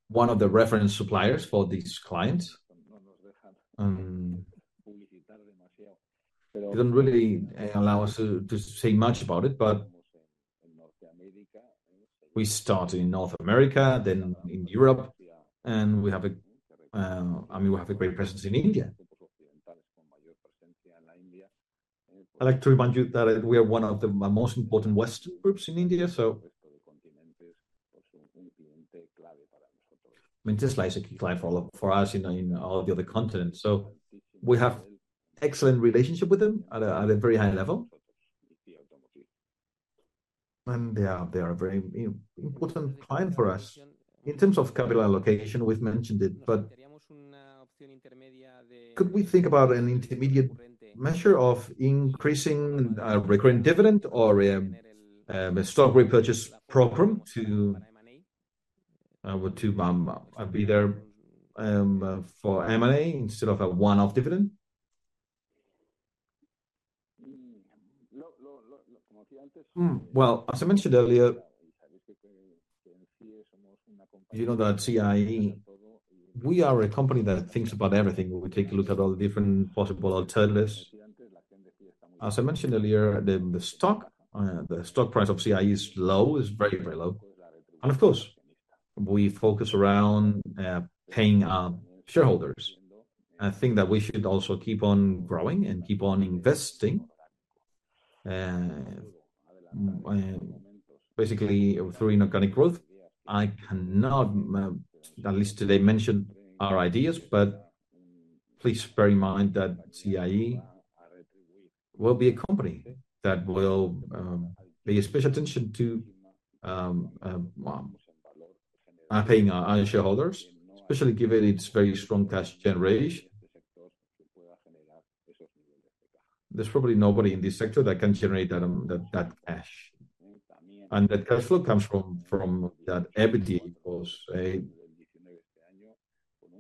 [SPEAKER 3] one of the reference suppliers for these clients. They don't really allow us to say much about it. But we start in North America, then in Europe, and we have, I mean, we have a great presence in India. I'd like to remind you that we are one of the most important Western groups in India. Tesla is a key client for us in all the other continents. We have an excellent relationship with them at a very high level. They are a very important client for us.
[SPEAKER 1] In terms of capital allocation, we've mentioned it. Could we think about an intermediate measure of increasing recurring dividend or a stock repurchase program to be there for M&A instead of a one-off dividend?
[SPEAKER 3] As I mentioned earlier, you know that CIE, we are a company that thinks about everything. We take a look at all the different possible alternatives. As I mentioned earlier, the stock price of CIE is low, is very, very low. Of course, we focus around paying our shareholders. I think that we should also keep on growing and keep on investing, basically through inorganic growth. I cannot, at least today, mention our ideas. But please bear in mind that CIE will be a company that will pay special attention to paying our shareholders, especially given its very strong cash generation. There's probably nobody in this sector that can generate that cash. And that cash flow comes from that equity.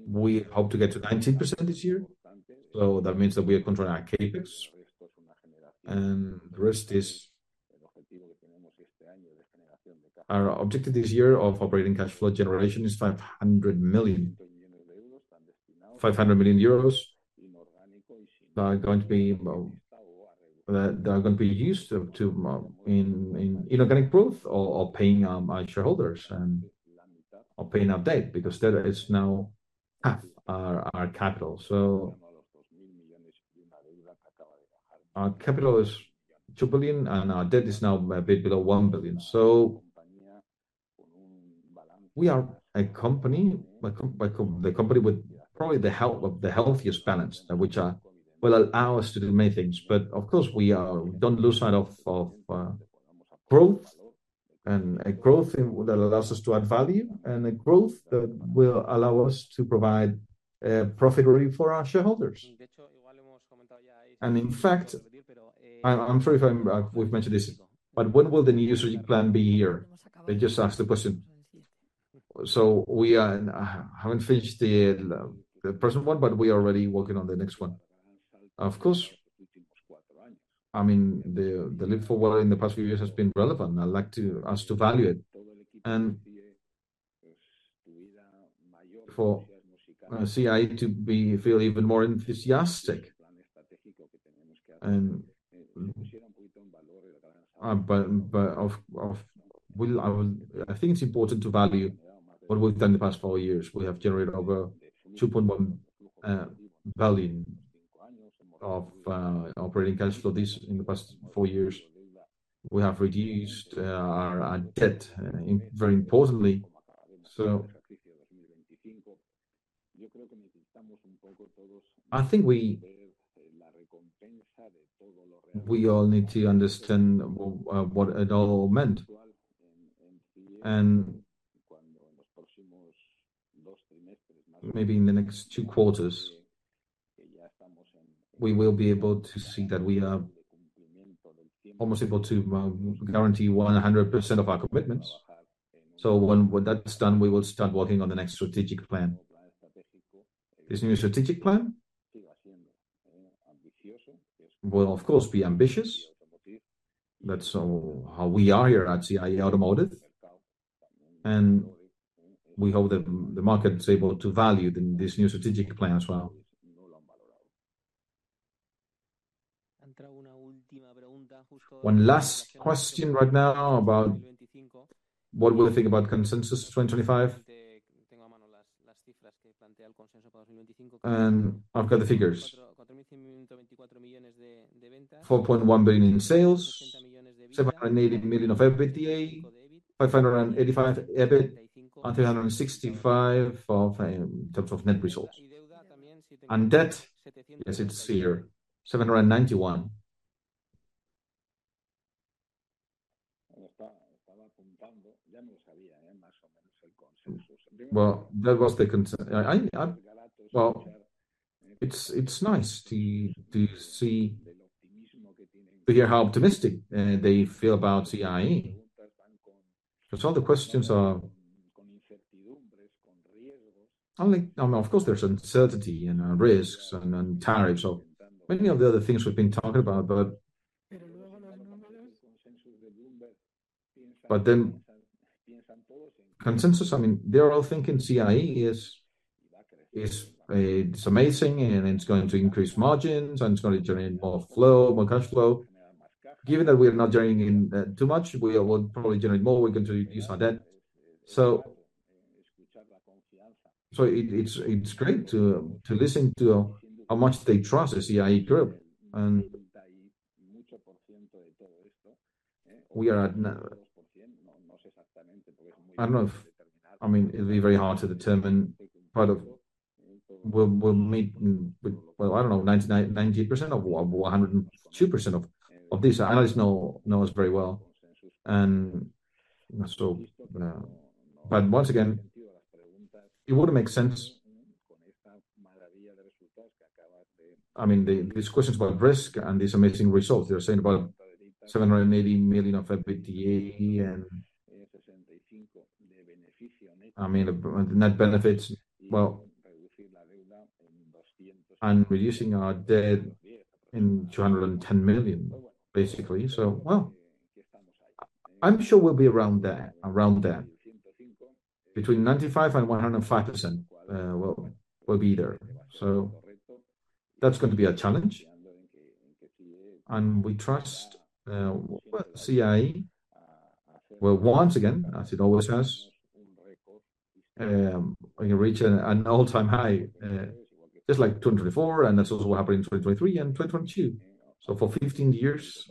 [SPEAKER 3] We hope to get to 19% this year. So that means that we are controlling our CapEx. And the rest is our objective this year of operating cash flow generation is 500 million that are going to be used in inorganic growth or paying our shareholders and paying our debt because debt is now half our capital. So our capital is 2 billion, and our debt is now a bit below 1 billion. So we are a company with probably the healthiest balance, which will allow us to do many things. But of course, we don't lose sight of growth. Growth that allows us to add value and growth that will allow us to provide profit revenue for our shareholders.
[SPEAKER 1] And in fact, I'm sorry if we've mentioned this, but when will the new strategic plan be here? They just asked the question. So we haven't finished the present one, but we are already working on the next one.
[SPEAKER 3] Of course, I mean, the leap forward in the past few years has been relevant. I'd like us to value it. And for CIE to feel even more enthusiastic, I think it's important to value what we've done in the past four years. We have generated over 2.1 billion of operating cash flow in the past four years. We have reduced our debt very importantly. So I think we all need to understand what it all meant. Maybe in the next two quarters, we will be able to see that we are almost able to guarantee 100% of our commitments. So when that's done, we will start working on the next strategic plan. This new strategic plan, well, of course, be ambitious. That's how we are here at CIE Automotive. We hope that the market is able to value this new strategic plan as well.
[SPEAKER 1] One last question right now about what we think about consensus 2025. I've got the figures. 4.1 billion in sales, 780 million of EBITDA, 585 million EBIT, and 365 million in terms of net results. Debt, as it's here, 791 million.
[SPEAKER 3] That was the concern. It's nice to hear how optimistic they feel about CIE. All the questions are of course, there's uncertainty and risks and tariffs. So many of the other things we've been talking about, but then consensus, I mean, they're all thinking CIE is amazing and it's going to increase margins and it's going to generate more flow, more cash flow. Given that we're not generating too much, we will probably generate more. We're going to reduce our debt, so it's great to listen to how much they trust the CIE Group. I mean, it'll be very hard to determine part of, well, I don't know, 98% or 102% of these. I know this knows very well. Once again, it wouldn't make sense I mean, these questions about risk and these amazing results. They're saying about 780 million of EBITDA and, I mean, net benefits, and reducing our debt by 210 million, basically. I'm sure we'll be around there, between 95% and 105%. Well, we'll be there. So that's going to be a challenge. And we trust CIE. Once again, as it always has, we can reach an all-time high, just like 2024. And that's also what happened in 2023 and 2022. So for 15 years,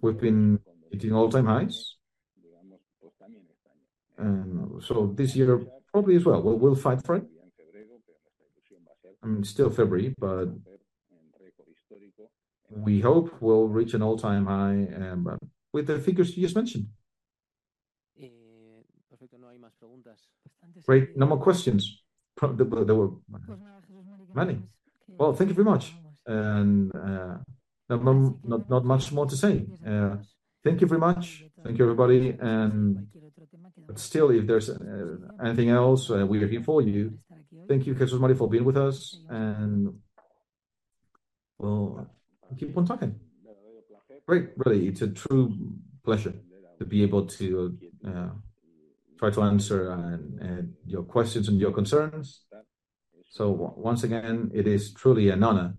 [SPEAKER 3] we've been hitting all-time highs. And so this year, probably as well, we'll fight for it. And still February, but we hope we'll reach an all-time high with the figures you just mentioned.
[SPEAKER 1] Great. No more questions.
[SPEAKER 2] Well, thank you very much. And not much more to say. Thank you very much. Thank you, everybody. And still, if there's anything else, we're here for you. Thank you, Jesús María, for being with us. And we'll keep on talking.
[SPEAKER 3] Great. Really, it's a true pleasure to be able to try to answer your questions and your concerns. Once again, it is truly an honor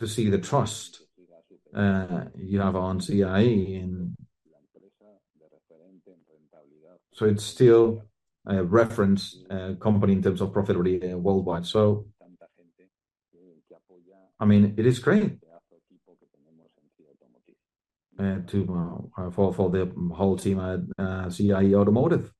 [SPEAKER 3] to see the trust you have in CIE. It is still a reference company in terms of profitability worldwide. I mean, it is great for the whole team at CIE Automotive.